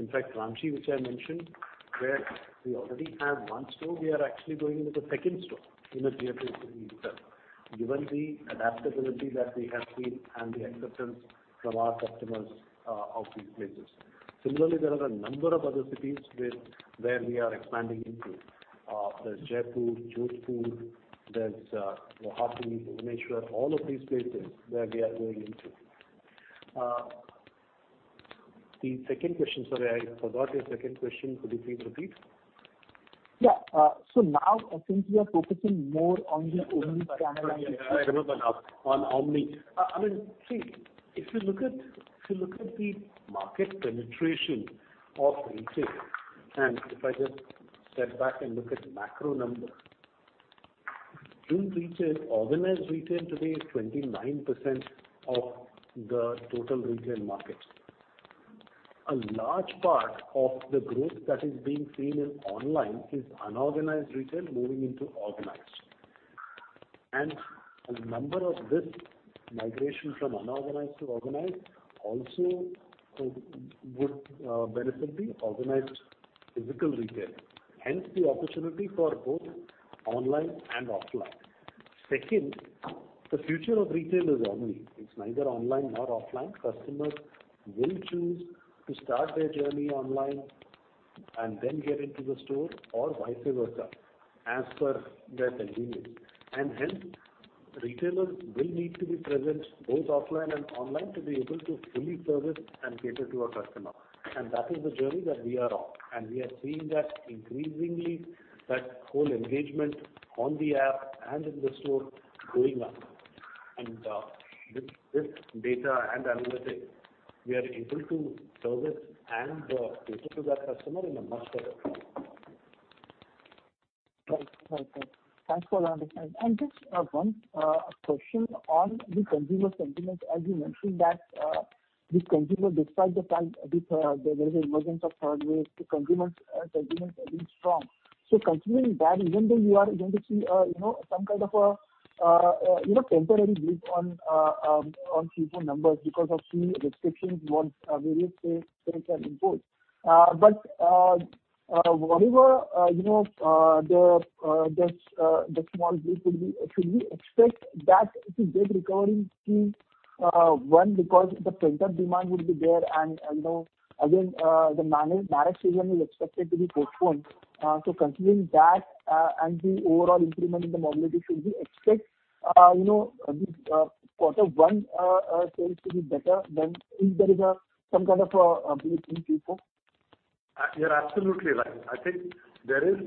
[SPEAKER 2] In fact, Ranchi, which I mentioned, where we already have one store, we are actually going with a second store in the Tier 2 city itself, given the adaptability that we have seen and the acceptance from our customers of these places. Similarly, there are a number of other cities where we are expanding into. There's Jaipur, Jodhpur, there's Guwahati, Imphal, all of these places where we are going into. The second question, sorry, I forgot your second question. Could you please repeat?
[SPEAKER 8] Yeah. Now since you are focusing more on the omnichannel.
[SPEAKER 2] Yeah, I remember now. On omni. I mean, see, if you look at the market penetration of retail, and if I just step back and look at macro numbers in retail, organized retail today is 29% of the total retail market. A large part of the growth that is being seen in online is unorganized retail moving into organized. A number of this migration from unorganized to organized also would benefit the organized physical retail, hence the opportunity for both online and offline. Second, the future of retail is omni. It's neither online nor offline. Customers will choose to start their journey online and then get into the store or vice versa as per their convenience. Hence, retailers will need to be present both offline and online to be able to fully service and cater to a customer. That is the journey that we are on, and we are seeing that increasingly that whole engagement on the app and in the store going up. With this data and analytics, we are able to service and cater to that customer in a much better way.
[SPEAKER 8] Right, sir. Thanks for the understanding. Just one question on the consumer sentiment. As you mentioned that the consumer, despite the fact that there is an emergence of third wave, the consumers sentiment has been strong. Continuing that, even though you are going to see, you know, some kind of a, you know, temporary break on Q4 numbers because of few restrictions on various states and imports. Whatever, you know, should we expect the [unintelligible] regarding, one because the pent-up demand would be there and, you know, again, the marriage season is expected to be postponed. Continuing that, and the overall improvement in the mobility, should we expect, you know, the quarter one sales to be better than if there is some kind of a break in Q4?
[SPEAKER 2] You're absolutely right. I think there is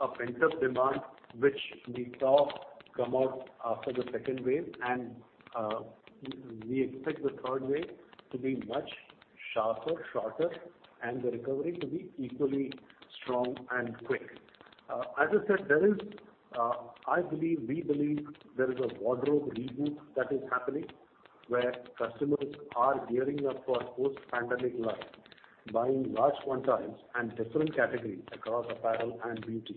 [SPEAKER 2] a pent-up demand which we saw come out after the second wave, and we expect the third wave to be much sharper, shorter, and the recovery to be equally strong and quick. As I said, I believe we believe there is a wardrobe reboot that is happening where customers are gearing up for post-pandemic life, buying large quantities and different categories across apparel and beauty.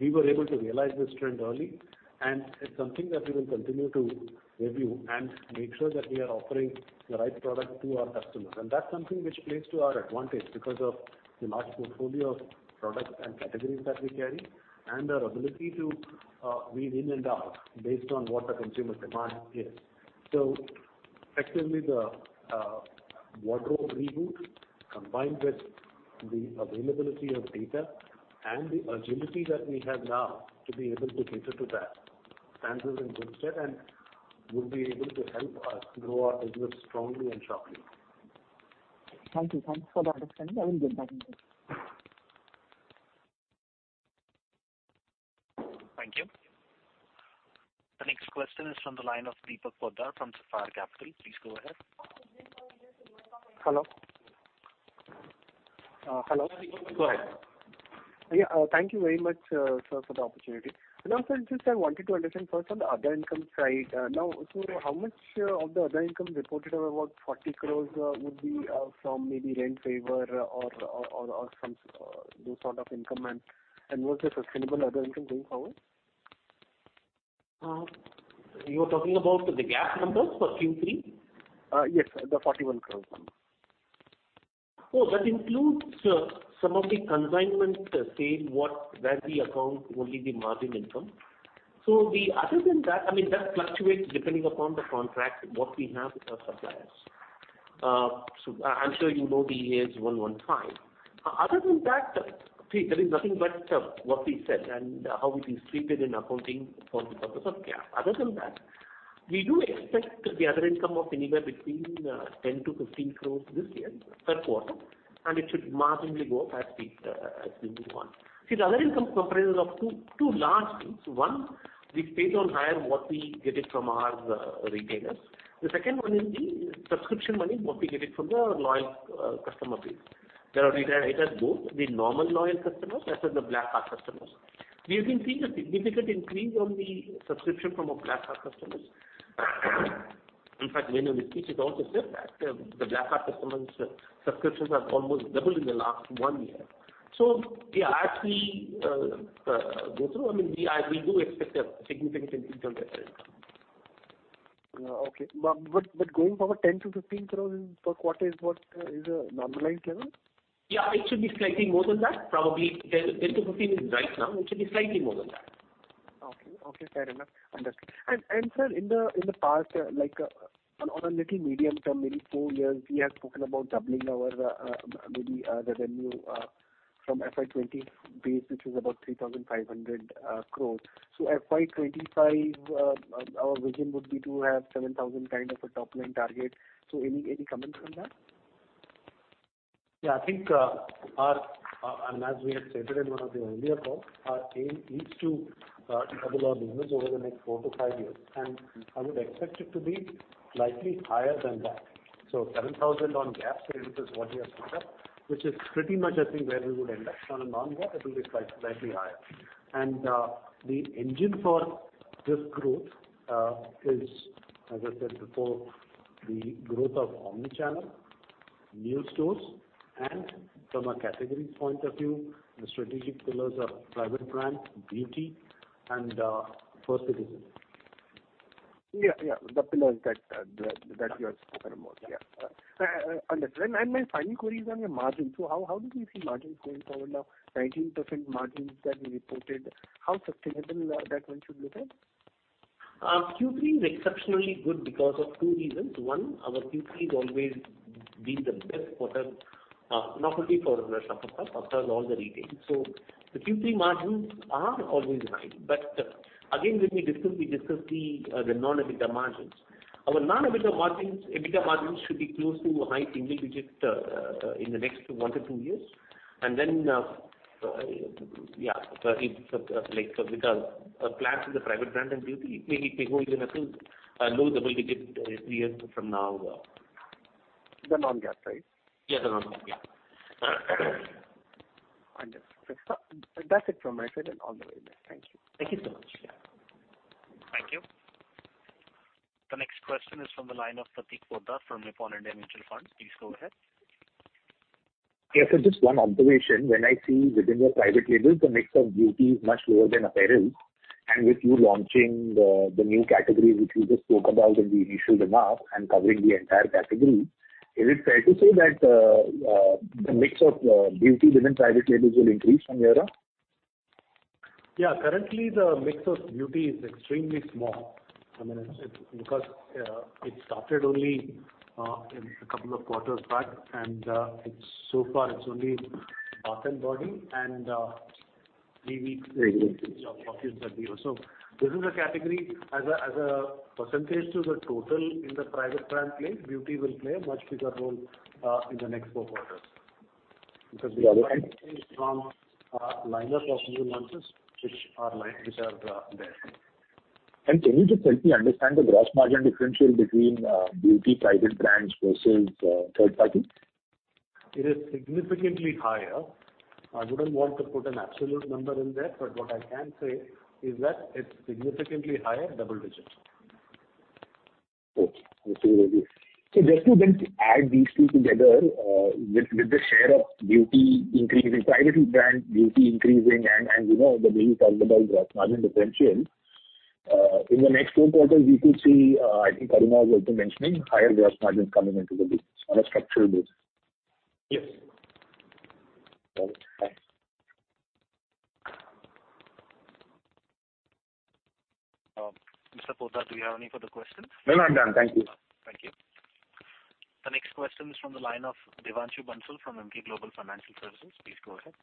[SPEAKER 2] We were able to realize this trend early, and it's something that we will continue to review and make sure that we are offering the right product to our customers. That's something which plays to our advantage because of the large portfolio of products and categories that we carry and our ability to weave in and out based on what the consumer demand is. Effectively, the wardrobe reboot combined with the availability of data and the agility that we have now to be able to cater to that stands us in good stead and would be able to help us grow our business strongly and sharply.
[SPEAKER 8] Thank you. Thanks for the understanding. I will get back in touch.
[SPEAKER 1] Thank you. The next question is from the line of Deepak Poddar from Sapphire Capital. Please go ahead.
[SPEAKER 9] Hello? Hello?
[SPEAKER 2] Go ahead.
[SPEAKER 9] Yeah. Thank you very much, sir, for the opportunity. Now, sir, just I wanted to understand first on the other income side. Now, so how much of the other income reported about 40 crore would be from maybe rent waiver or some those sort of income and what's the sustainable other income going forward?
[SPEAKER 2] You are talking about the GAAP numbers for Q3?
[SPEAKER 9] Yes, the 41 crore one.
[SPEAKER 3] That includes some of the consignment sales that we account only the margin income. The other than that, I mean, that fluctuates depending upon the contract what we have with our suppliers. I'm sure you know it varies from time to time. Other than that, there is nothing but what we said and how it is treated in accounting for the purpose of GAAP. We do expect the other income of anywhere between 10 crore-15 crore this year per quarter, and it should marginally go up as we move on. The other income comprises of two large things. One, the rent that we get from our retailers. The second one is the subscription money that we get from the loyal customer base. It has both the normal loyal customers as well as the Black Card customers. We have been seeing a significant increase on the subscription from our Black Card customers. In fact, when we speak, it's also said that the Black Card customers' subscriptions have almost doubled in the last one year. As we go through, I mean, we do expect a significant increase on that end.
[SPEAKER 9] Going forward, 10 crore-15 crore per quarter is what is a normalized level?
[SPEAKER 3] Yeah, it should be slightly more than that. Probably 10 crore-15 crore is right now. It should be slightly more than that.
[SPEAKER 9] Okay. Okay, fair enough. Understood. Sir, in the past, like on a little medium term, maybe four years, we have spoken about doubling our maybe the revenue from FY 2020 base, which is about 3,500 crore. FY 2025, our vision would be to have 7,000 kind of a top line target. Any comments on that?
[SPEAKER 2] Yeah, I think as we have said in one of the earlier calls, our aim is to double our business over the next four-five years, and I would expect it to be slightly higher than that. 7,000 on GAAP sales is what we have put up, which is pretty much, I think, where we would end up. On a non-GAAP, it will be slightly higher. The engine for this growth is, as I said before, the growth of omni-channel, new stores, and from a category point of view, the strategic pillars of Private Brand, Beauty, and festivities. The pillars that you have spoken about.
[SPEAKER 9] My final query is on your margin. How do you see margins going forward now? 19% margins that you reported, how sustainable is that one should look at?
[SPEAKER 3] Q3 is exceptionally good because of two reasons. One, our Q3 has always been the best quarter, not only for Shoppers Stop, across all the retail. The Q3 margins are always high. Again, when we discuss the non-EBITDA margins. Our non-EBITDA margins, EBITDA margins should be close to high single-digit in the next one-two years.
[SPEAKER 2] Yeah, it's like with our plans with the Private Brand and Beauty, it may go even, I think, low double-digit three years from now.
[SPEAKER 9] The non-GAAP, right?
[SPEAKER 2] Yes, the non-GAAP. Yeah.
[SPEAKER 9] Understood. That's it from my side and all the very best. Thank you.
[SPEAKER 3] Thank you so much.
[SPEAKER 9] Yeah.
[SPEAKER 1] Thank you. The next question is from the line of Prateek Poddar from Nippon India Mutual Fund. Please go ahead.
[SPEAKER 10] Yes, sir, just one observation. When I see within your private label, the mix of beauty is much lower than apparel. With you launching the new category which you just spoke about in the initial remarks and covering the entire category, is it fair to say that the mix of beauty within private labels will increase from here on?
[SPEAKER 2] Yeah. Currently, the mix of beauty is extremely small. I mean, it's because it started only in a couple of quarters back, and it's so far it's only bath and body and BB.
[SPEAKER 10] Very good.
[SPEAKER 2] This is a category as a percentage to the total in the Private Brand play, Beauty will play a much bigger role in the next four quarters.
[SPEAKER 10] The other?
[SPEAKER 2] Because we are launching from our lineup of new launches which are there.
[SPEAKER 10] Can you just help me understand the gross margin differential between Beauty Private Brands versus third party?
[SPEAKER 2] It is significantly higher. I wouldn't want to put an absolute number in there, but what I can say is that it's significantly higher, double digits.
[SPEAKER 10] Okay. Just to then add these two together, with the share of Beauty increasing, Private Brand, Beauty increasing and you know, the way you talked about gross margin differential, in the next four quarters, we could see, I think Karuna was also mentioning higher gross margins coming into the business on a structural basis.
[SPEAKER 3] Yes.
[SPEAKER 10] Got it. Thanks.
[SPEAKER 1] Mr. Prateek Poddar, do you have any further questions?
[SPEAKER 10] No, I'm done. Thank you.
[SPEAKER 1] Thank you. The next question is from the line of Devanshu Bansal from Emkay Global Financial Services. Please go ahead.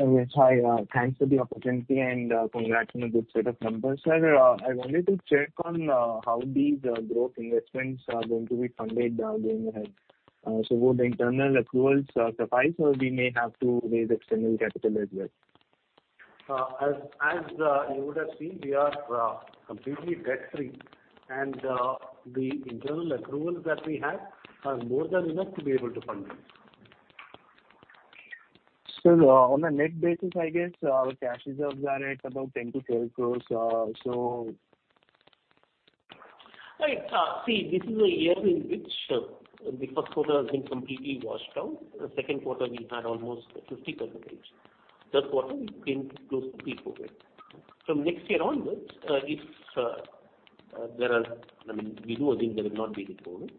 [SPEAKER 11] Yes, hi. Thanks for the opportunity and congrats on a good set of numbers. Sir, I wanted to check on how these growth investments are going to be funded going ahead. So would the internal accruals suffice or we may have to raise external capital as well?
[SPEAKER 2] As you would have seen, we are completely debt free and the internal accruals that we have are more than enough to be able to fund this.
[SPEAKER 11] Sir, on a net basis, I guess our cash reserves are at about 10 crore-12 crore.
[SPEAKER 2] Right. See, this is a year in which the first quarter has been completely washed out. The second quarter we had almost 50%. Third quarter we've been close to 75%. From next year onwards, if there are, I mean, we do assume there will not be any COVID.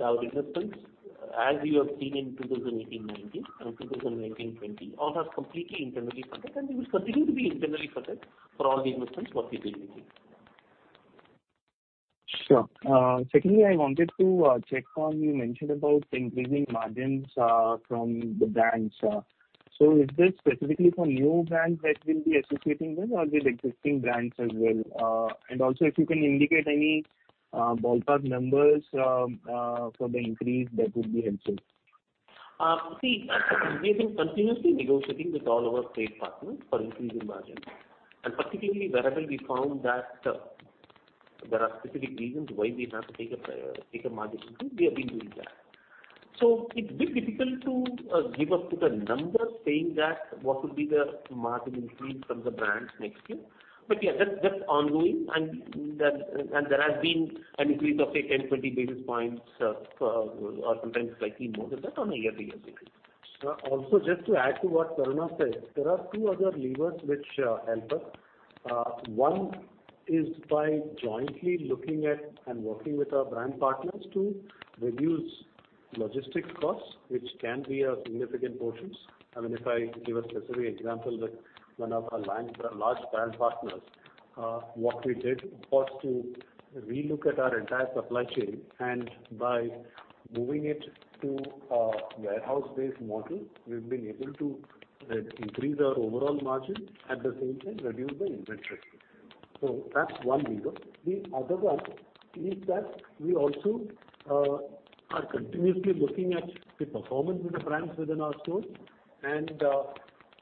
[SPEAKER 2] Our investments, as you have seen in 2018-2019 and 2019-2020, all are completely internally funded, and we will continue to be internally funded for all the investments worth it.
[SPEAKER 11] Sure. Secondly, I wanted to check on you mentioned about increasing margins from the brands. Is this specifically for new brands that we'll be associating with or with existing brands as well? Also if you can indicate any ballpark numbers for the increase that would be helpful.
[SPEAKER 3] See, we have been continuously negotiating with all our trade partners for increasing margins. Particularly wherever we found that, there are specific reasons why we have to take a margin increase, we have been doing that. It's a bit difficult to give a particular number saying that what would be the margin increase from the brands next year. Yeah, that's ongoing and there has been an increase of say 10, 20 basis points, or sometimes slightly more than that on a year-to-year basis.
[SPEAKER 2] Also just to add to what Karuna has said, there are two other levers which help us. One is by jointly looking at and working with our brand partners to reduce logistics costs, which can be a significant portions. I mean, if I give a specific example with one of our large brand partners, what we did was to relook at our entire supply chain, and by moving it to a warehouse-based model, we've been able to increase our overall margin, at the same time reduce the inventory. So that's one lever. The other one is that we also are continuously looking at the performance of the brands within our stores and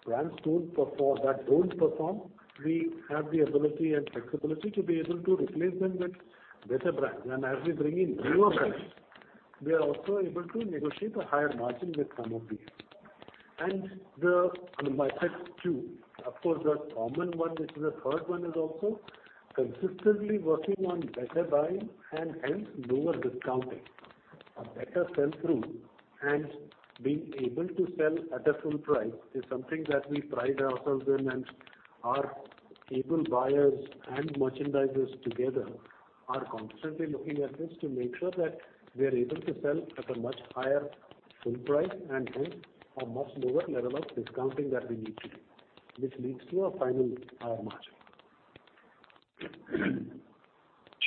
[SPEAKER 2] brands that don't perform, we have the ability and flexibility to be able to replace them with better brands. As we bring in newer brands, we are also able to negotiate a higher margin with some of these. I might add two. Of course, the common one, which is the third one, is also consistently working on better buying and hence lower discounting. A better sell-through and being able to sell at a full price is something that we pride ourselves in, and our able buyers and merchandisers together are constantly looking at this to make sure that we are able to sell at a much higher full price and hence a much lower level of discounting that we need to do, which leads to a final margin.
[SPEAKER 11] Sure, that's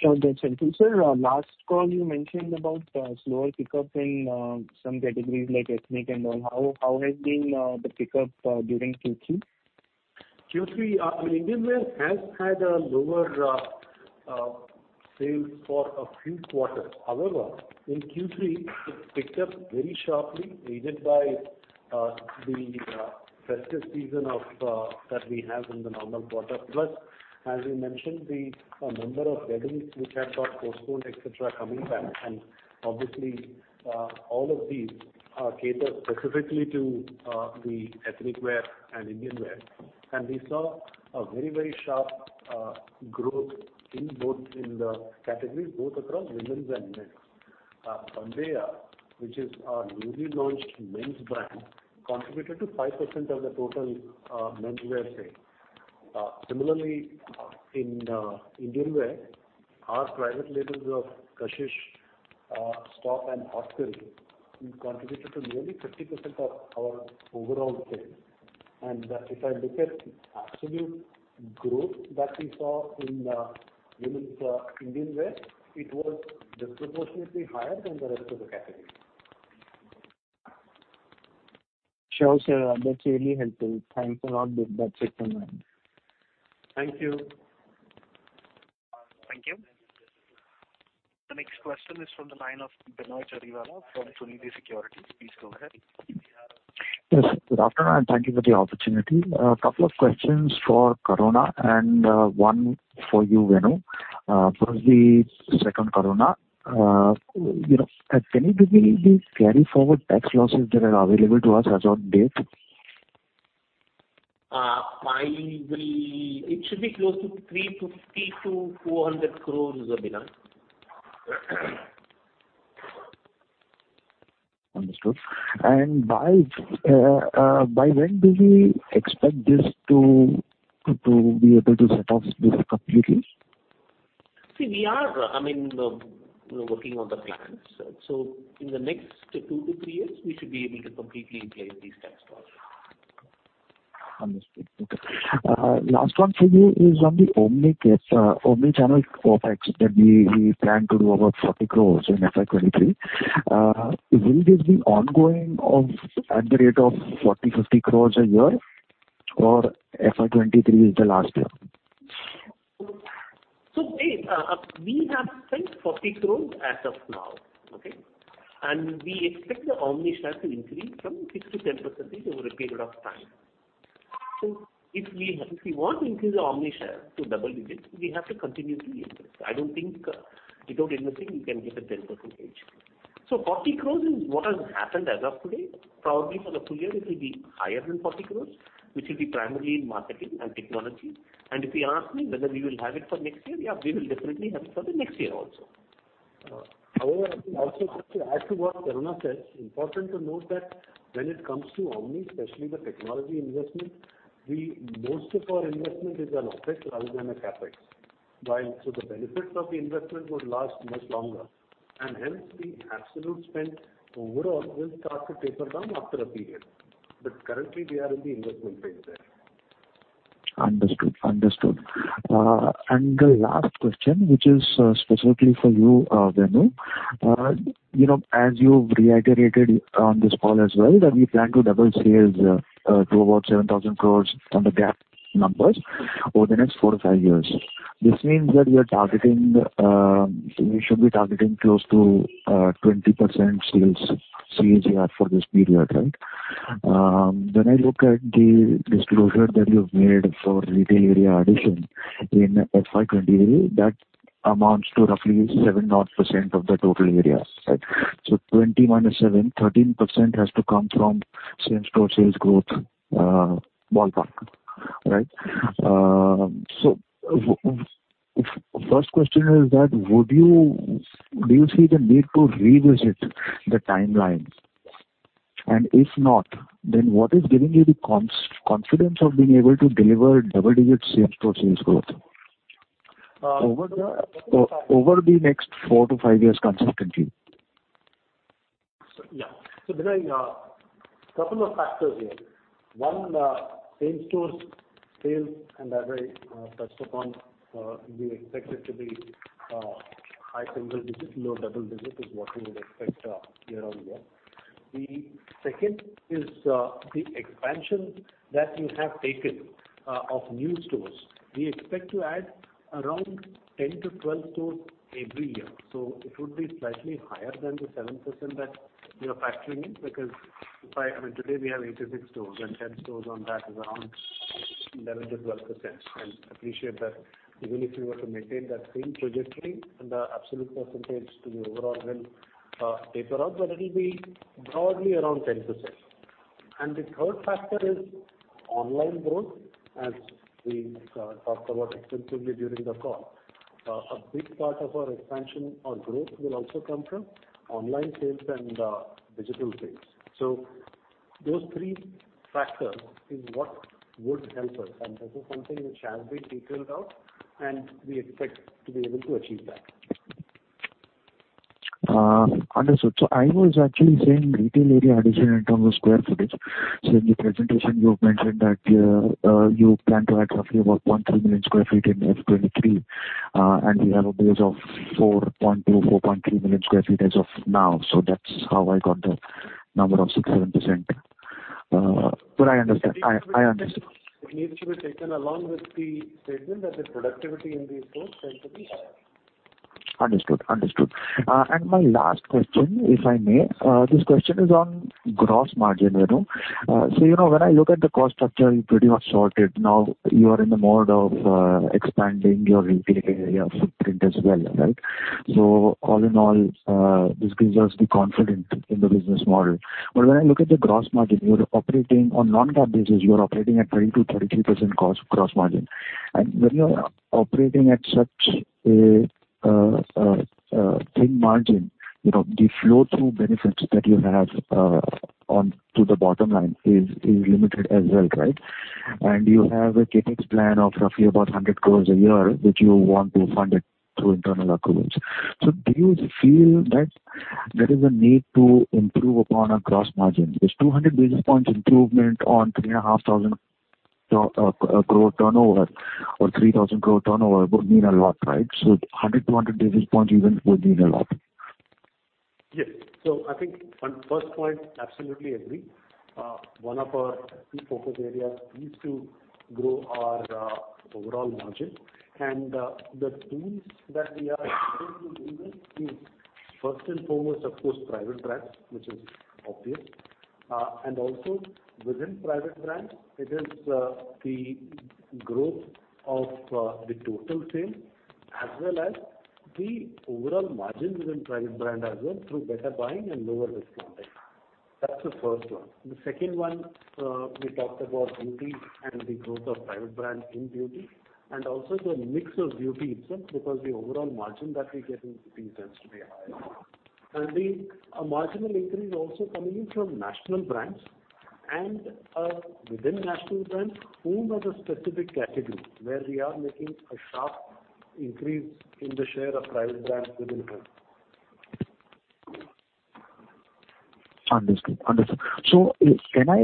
[SPEAKER 11] helpful. Sir, last call you mentioned about slower pickup in some categories like ethnic and all. How has been the pickup during Q3?
[SPEAKER 2] Q3, I mean, Indian wear has had lower sales for a few quarters. However, in Q3, it picked up very sharply, aided by the festive season that we have in the normal quarter. Plus, as you mentioned, the number of weddings which had got postponed, et cetera, coming back, and obviously, all of these cater specifically to the ethnic wear and Indian wear. We saw a very sharp growth in both categories across women's and men's. Bandeya, which is our newly launched men's brand, contributed to 5% of the total menswear sale. Similarly, in Indian wear, our private labels of Kashish, STOP, and Haute Curry contributed to nearly 50% of our overall sales. That if I look at absolute growth that we saw in women's Indian wear, it was disproportionately higher than the rest of the category.
[SPEAKER 11] Sure, sir. That's really helpful. Thanks a lot. With that said on mind.
[SPEAKER 2] Thank you.
[SPEAKER 1] Thank you. The next question is from the line of Binoy Jariwala from Sunidhi Securities. Please go ahead.
[SPEAKER 12] Yes, good afternoon, and thank you for the opportunity. A couple of questions for Karuna and one for you, Venu. Firstly. Second, Karuna, you know, can you give me the carry forward tax losses that are available to us as of date?
[SPEAKER 3] Finally, it should be close to 350 crore-400 crore, Binoy.
[SPEAKER 12] Understood. By when do we expect this to be able to set off this completely?
[SPEAKER 3] See, we are, I mean, working on the plans. In the next two-three years, we should be able to completely utilize these tax losses.
[SPEAKER 12] Understood. Okay. Last one for you is on the omni-channel OpEx that we plan to do about 40 crore in FY 2023. Will this be ongoing or at the rate of 40 crore-50 crore a year, or FY 2023 is the last year?
[SPEAKER 3] We have spent 40 crore as of now, okay? We expect the omni share to increase from 6%-10% over a period of time. If we want to increase the omni share to double digits, we have to continue to invest. I don't think without investing we can get a 10%. 40 crore is what has happened as of today. Probably for the full year it will be higher than 40 crore, which will be primarily in marketing and technology. If you ask me whether we will have it for next year, yeah, we will definitely have it for the next year also.
[SPEAKER 2] However, I think also just to add to what Karuna said, important to note that when it comes to omni, especially the technology investment, we most of our investment is an OpEx rather than a CapEx. While so the benefits of the investment would last much longer and hence the absolute spend overall will start to taper down after a period. Currently we are in the investment phase there.
[SPEAKER 12] Understood. The last question, which is specifically for you, Venu. You know, as you've reiterated on this call as well that we plan to double sales to about 7,000 crore from the GAAP numbers over the next four-five years. This means that we are targeting, we should be targeting close to 20% sales CAGR for this period, right? When I look at the disclosure that you've made for retail area addition in FY 2023, that amounts to roughly 7% of the total area. Right? So 20% - 7% = 13% has to come from same-store sales growth, ballpark. Right? First question is, do you see the need to revisit the timelines? If not, then what is giving you the confidence of being able to deliver double-digit same-store sales growth?
[SPEAKER 2] Uh, over the?
[SPEAKER 12] Over the next four-five years consistently.
[SPEAKER 2] Yeah. Binoy, couple of factors here. One, same-store sales and average, touched upon, we expect it to be high single digits, low double digits is what we would expect year-on-year. The second is the expansion that we have taken of new stores. We expect to add around 10-12 stores every year. It would be slightly higher than the 7% that we are factoring in because I mean, today we have 86 stores and 10 stores on that is around 11%-12%. I appreciate that even if we were to maintain that same trajectory and the absolute percentage to the overall will taper off, but it'll be broadly around 10%. The third factor is online growth, as we talked about extensively during the call. A big part of our expansion or growth will also come from online sales and digital sales. Those three factors is what would help us, and this is something which has been detailed out, and we expect to be able to achieve that.
[SPEAKER 12] Understood. I was actually saying retail area addition in terms of square footage. In the presentation you've mentioned that you plan to add roughly about 0.3 million sq ft in FY 2023, and we have a base of 4.2 million sq ft-4.3 million sq ft as of now. That's how I got the number of 6%-7%. I understand. I understand.
[SPEAKER 2] It needs to be taken along with the statement that the productivity in these stores tends to be higher.
[SPEAKER 12] Understood. My last question, if I may, this question is on gross margin Venu. So you know, when I look at the cost structure, you pretty much sorted. Now you are in the mode of expanding your retail area footprint as well, right? All in all, this gives us the confidence in the business model. When I look at the gross margin you're operating on non-GAAP basis, you are operating at 20%-33% gross margin. When you are operating at such a thin margin, you know, the flow through benefits that you have on to the bottom line is limited as well, right? You have a CapEx plan of roughly about 100 crore a year, which you want to fund it through internal accruals. Do you feel that there is a need to improve upon a gross margin? There's 200 basis points improvement on 3,500 crore turnover or 3,000 crore turnover would mean a lot, right? 100 to 100 basis points even would mean a lot.
[SPEAKER 2] Yes. I think on first point, absolutely agree. One of our key focus areas is to grow our overall margin. The tools that we are going to use is first and foremost, of course, Private Brands, which is obvious. Also within Private Brands, it is the growth of the total sale as well as the overall margin within Private Brand as well through better buying and lower risk content. That's the first one. The second one, we talked about Beauty and the growth of Private Brand in Beauty and also the mix of Beauty itself because the overall margin that we get in Beauty tends to be higher. The marginal increase also coming in from national brands and within national brands, owned as a specific category where we are making a sharp increase in the share of Private Brands within them.
[SPEAKER 12] Understood. Can I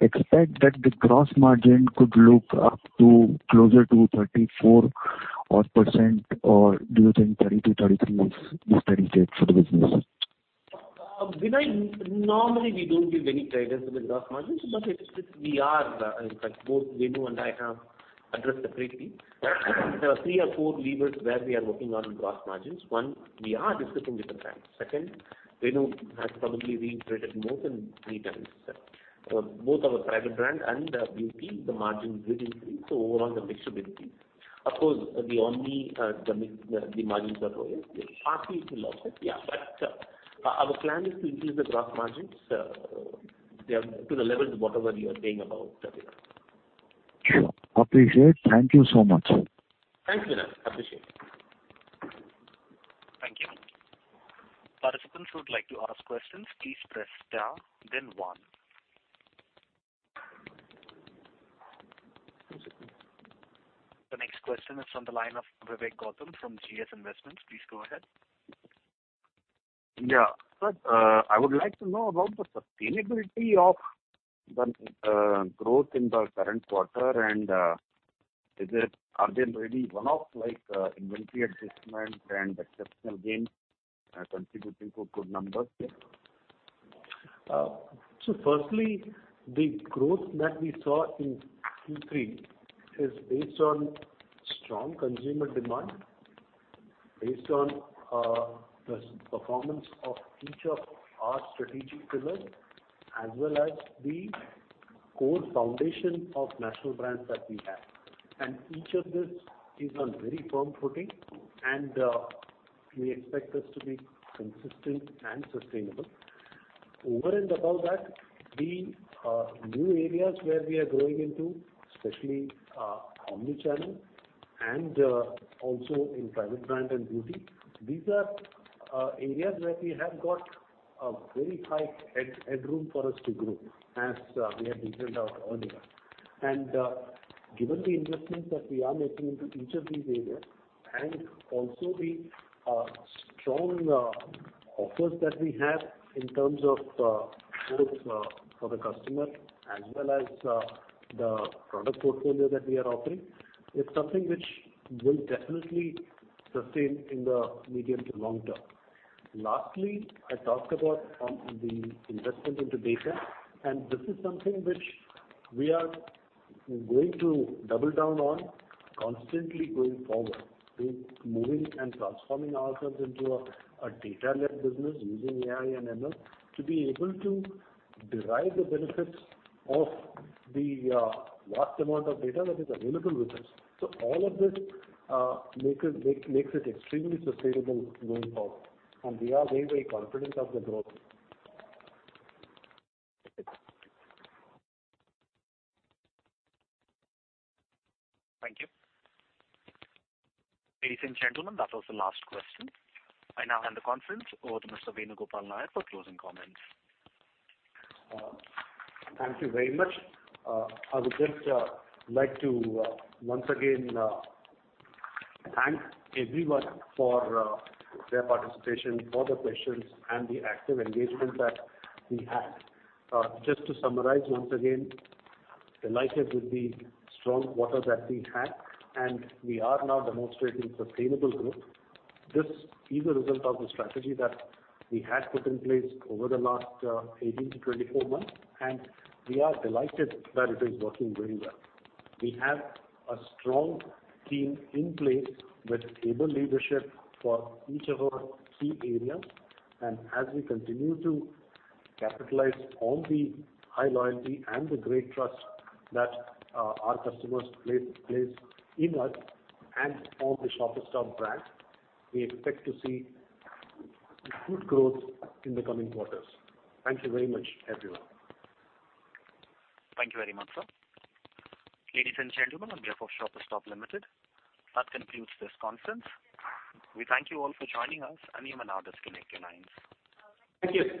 [SPEAKER 12] expect that the gross margin could look up to closer to 34-odd% or do you think 32%, 33% is steady state for the business?
[SPEAKER 3] Binoy, normally we don't give any guidance on the gross margins, but we are in fact both Venu and I have addressed separately. There are three or four levers where we are working on gross margins. One, we are discussing with the brands. Second, Venu has probably reiterated more than three times that both our Private Brand and Beauty, the margin will increase, so overall the mix will increase. Of course, the online margins are lower, partly it's an offset, yeah. Our plan is to increase the gross margins to the levels whatever you are saying about, Binoy.
[SPEAKER 12] Sure. Appreciate. Thank you so much.
[SPEAKER 3] Thanks, Binoy. Appreciate it.
[SPEAKER 1] Thank you. Participants who would like to ask questions, please press star then one. The next question is on the line of Vivek Gautam from GS Investments. Please go ahead.
[SPEAKER 13] Yeah. Sir, I would like to know about the sustainability of the growth in the current quarter and are they really one-off like inventory adjustment and exceptional gains contributing to good numbers there?
[SPEAKER 2] First, the growth that we saw in Q3 is based on strong consumer demand, based on the performance of each of our strategic pillars, as well as the core foundation of national brands that we have. Each of this is on very firm footing, and we expect this to be consistent and sustainable. Over and above that, the new areas where we are growing into especially omni-channel and also in Private Brand and Beauty, these are areas where we have got a very high headroom for us to grow as we have detailed out earlier. Given the investments that we are making into each of these areas and also the strong offers that we have in terms of both for the customer as well as the product portfolio that we are offering, it's something which will definitely sustain in the medium to long term. Lastly, I talked about the investment into data, and this is something which we are going to double down on constantly going forward, with moving and transforming ourselves into a data-led business using AI and ML to be able to derive the benefits of the vast amount of data that is available with us. All of this makes it extremely sustainable going forward, and we are very, very confident of the growth.
[SPEAKER 1] Thank you. Ladies and gentlemen, that was the last question. I now hand the conference over to Mr. Venugopal Nair for closing comments.
[SPEAKER 2] Thank you very much. I would just like to once again thank everyone for their participation, for the questions and the active engagement that we had. Just to summarize once again, delighted with the strong quarter that we had, and we are now demonstrating sustainable growth. This is a result of the strategy that we had put in place over the last 18-24 months, and we are delighted that it is working very well. We have a strong team in place with able leadership for each of our key areas. As we continue to capitalize on the high loyalty and the great trust that our customers place in us and on the Shoppers Stop brand, we expect to see good growth in the coming quarters. Thank you very much, everyone.
[SPEAKER 1] Thank you very much, sir. Ladies and gentlemen, on behalf of Shoppers Stop Limited, that concludes this conference. We thank you all for joining us, and you may now disconnect your lines.
[SPEAKER 2] Thank you.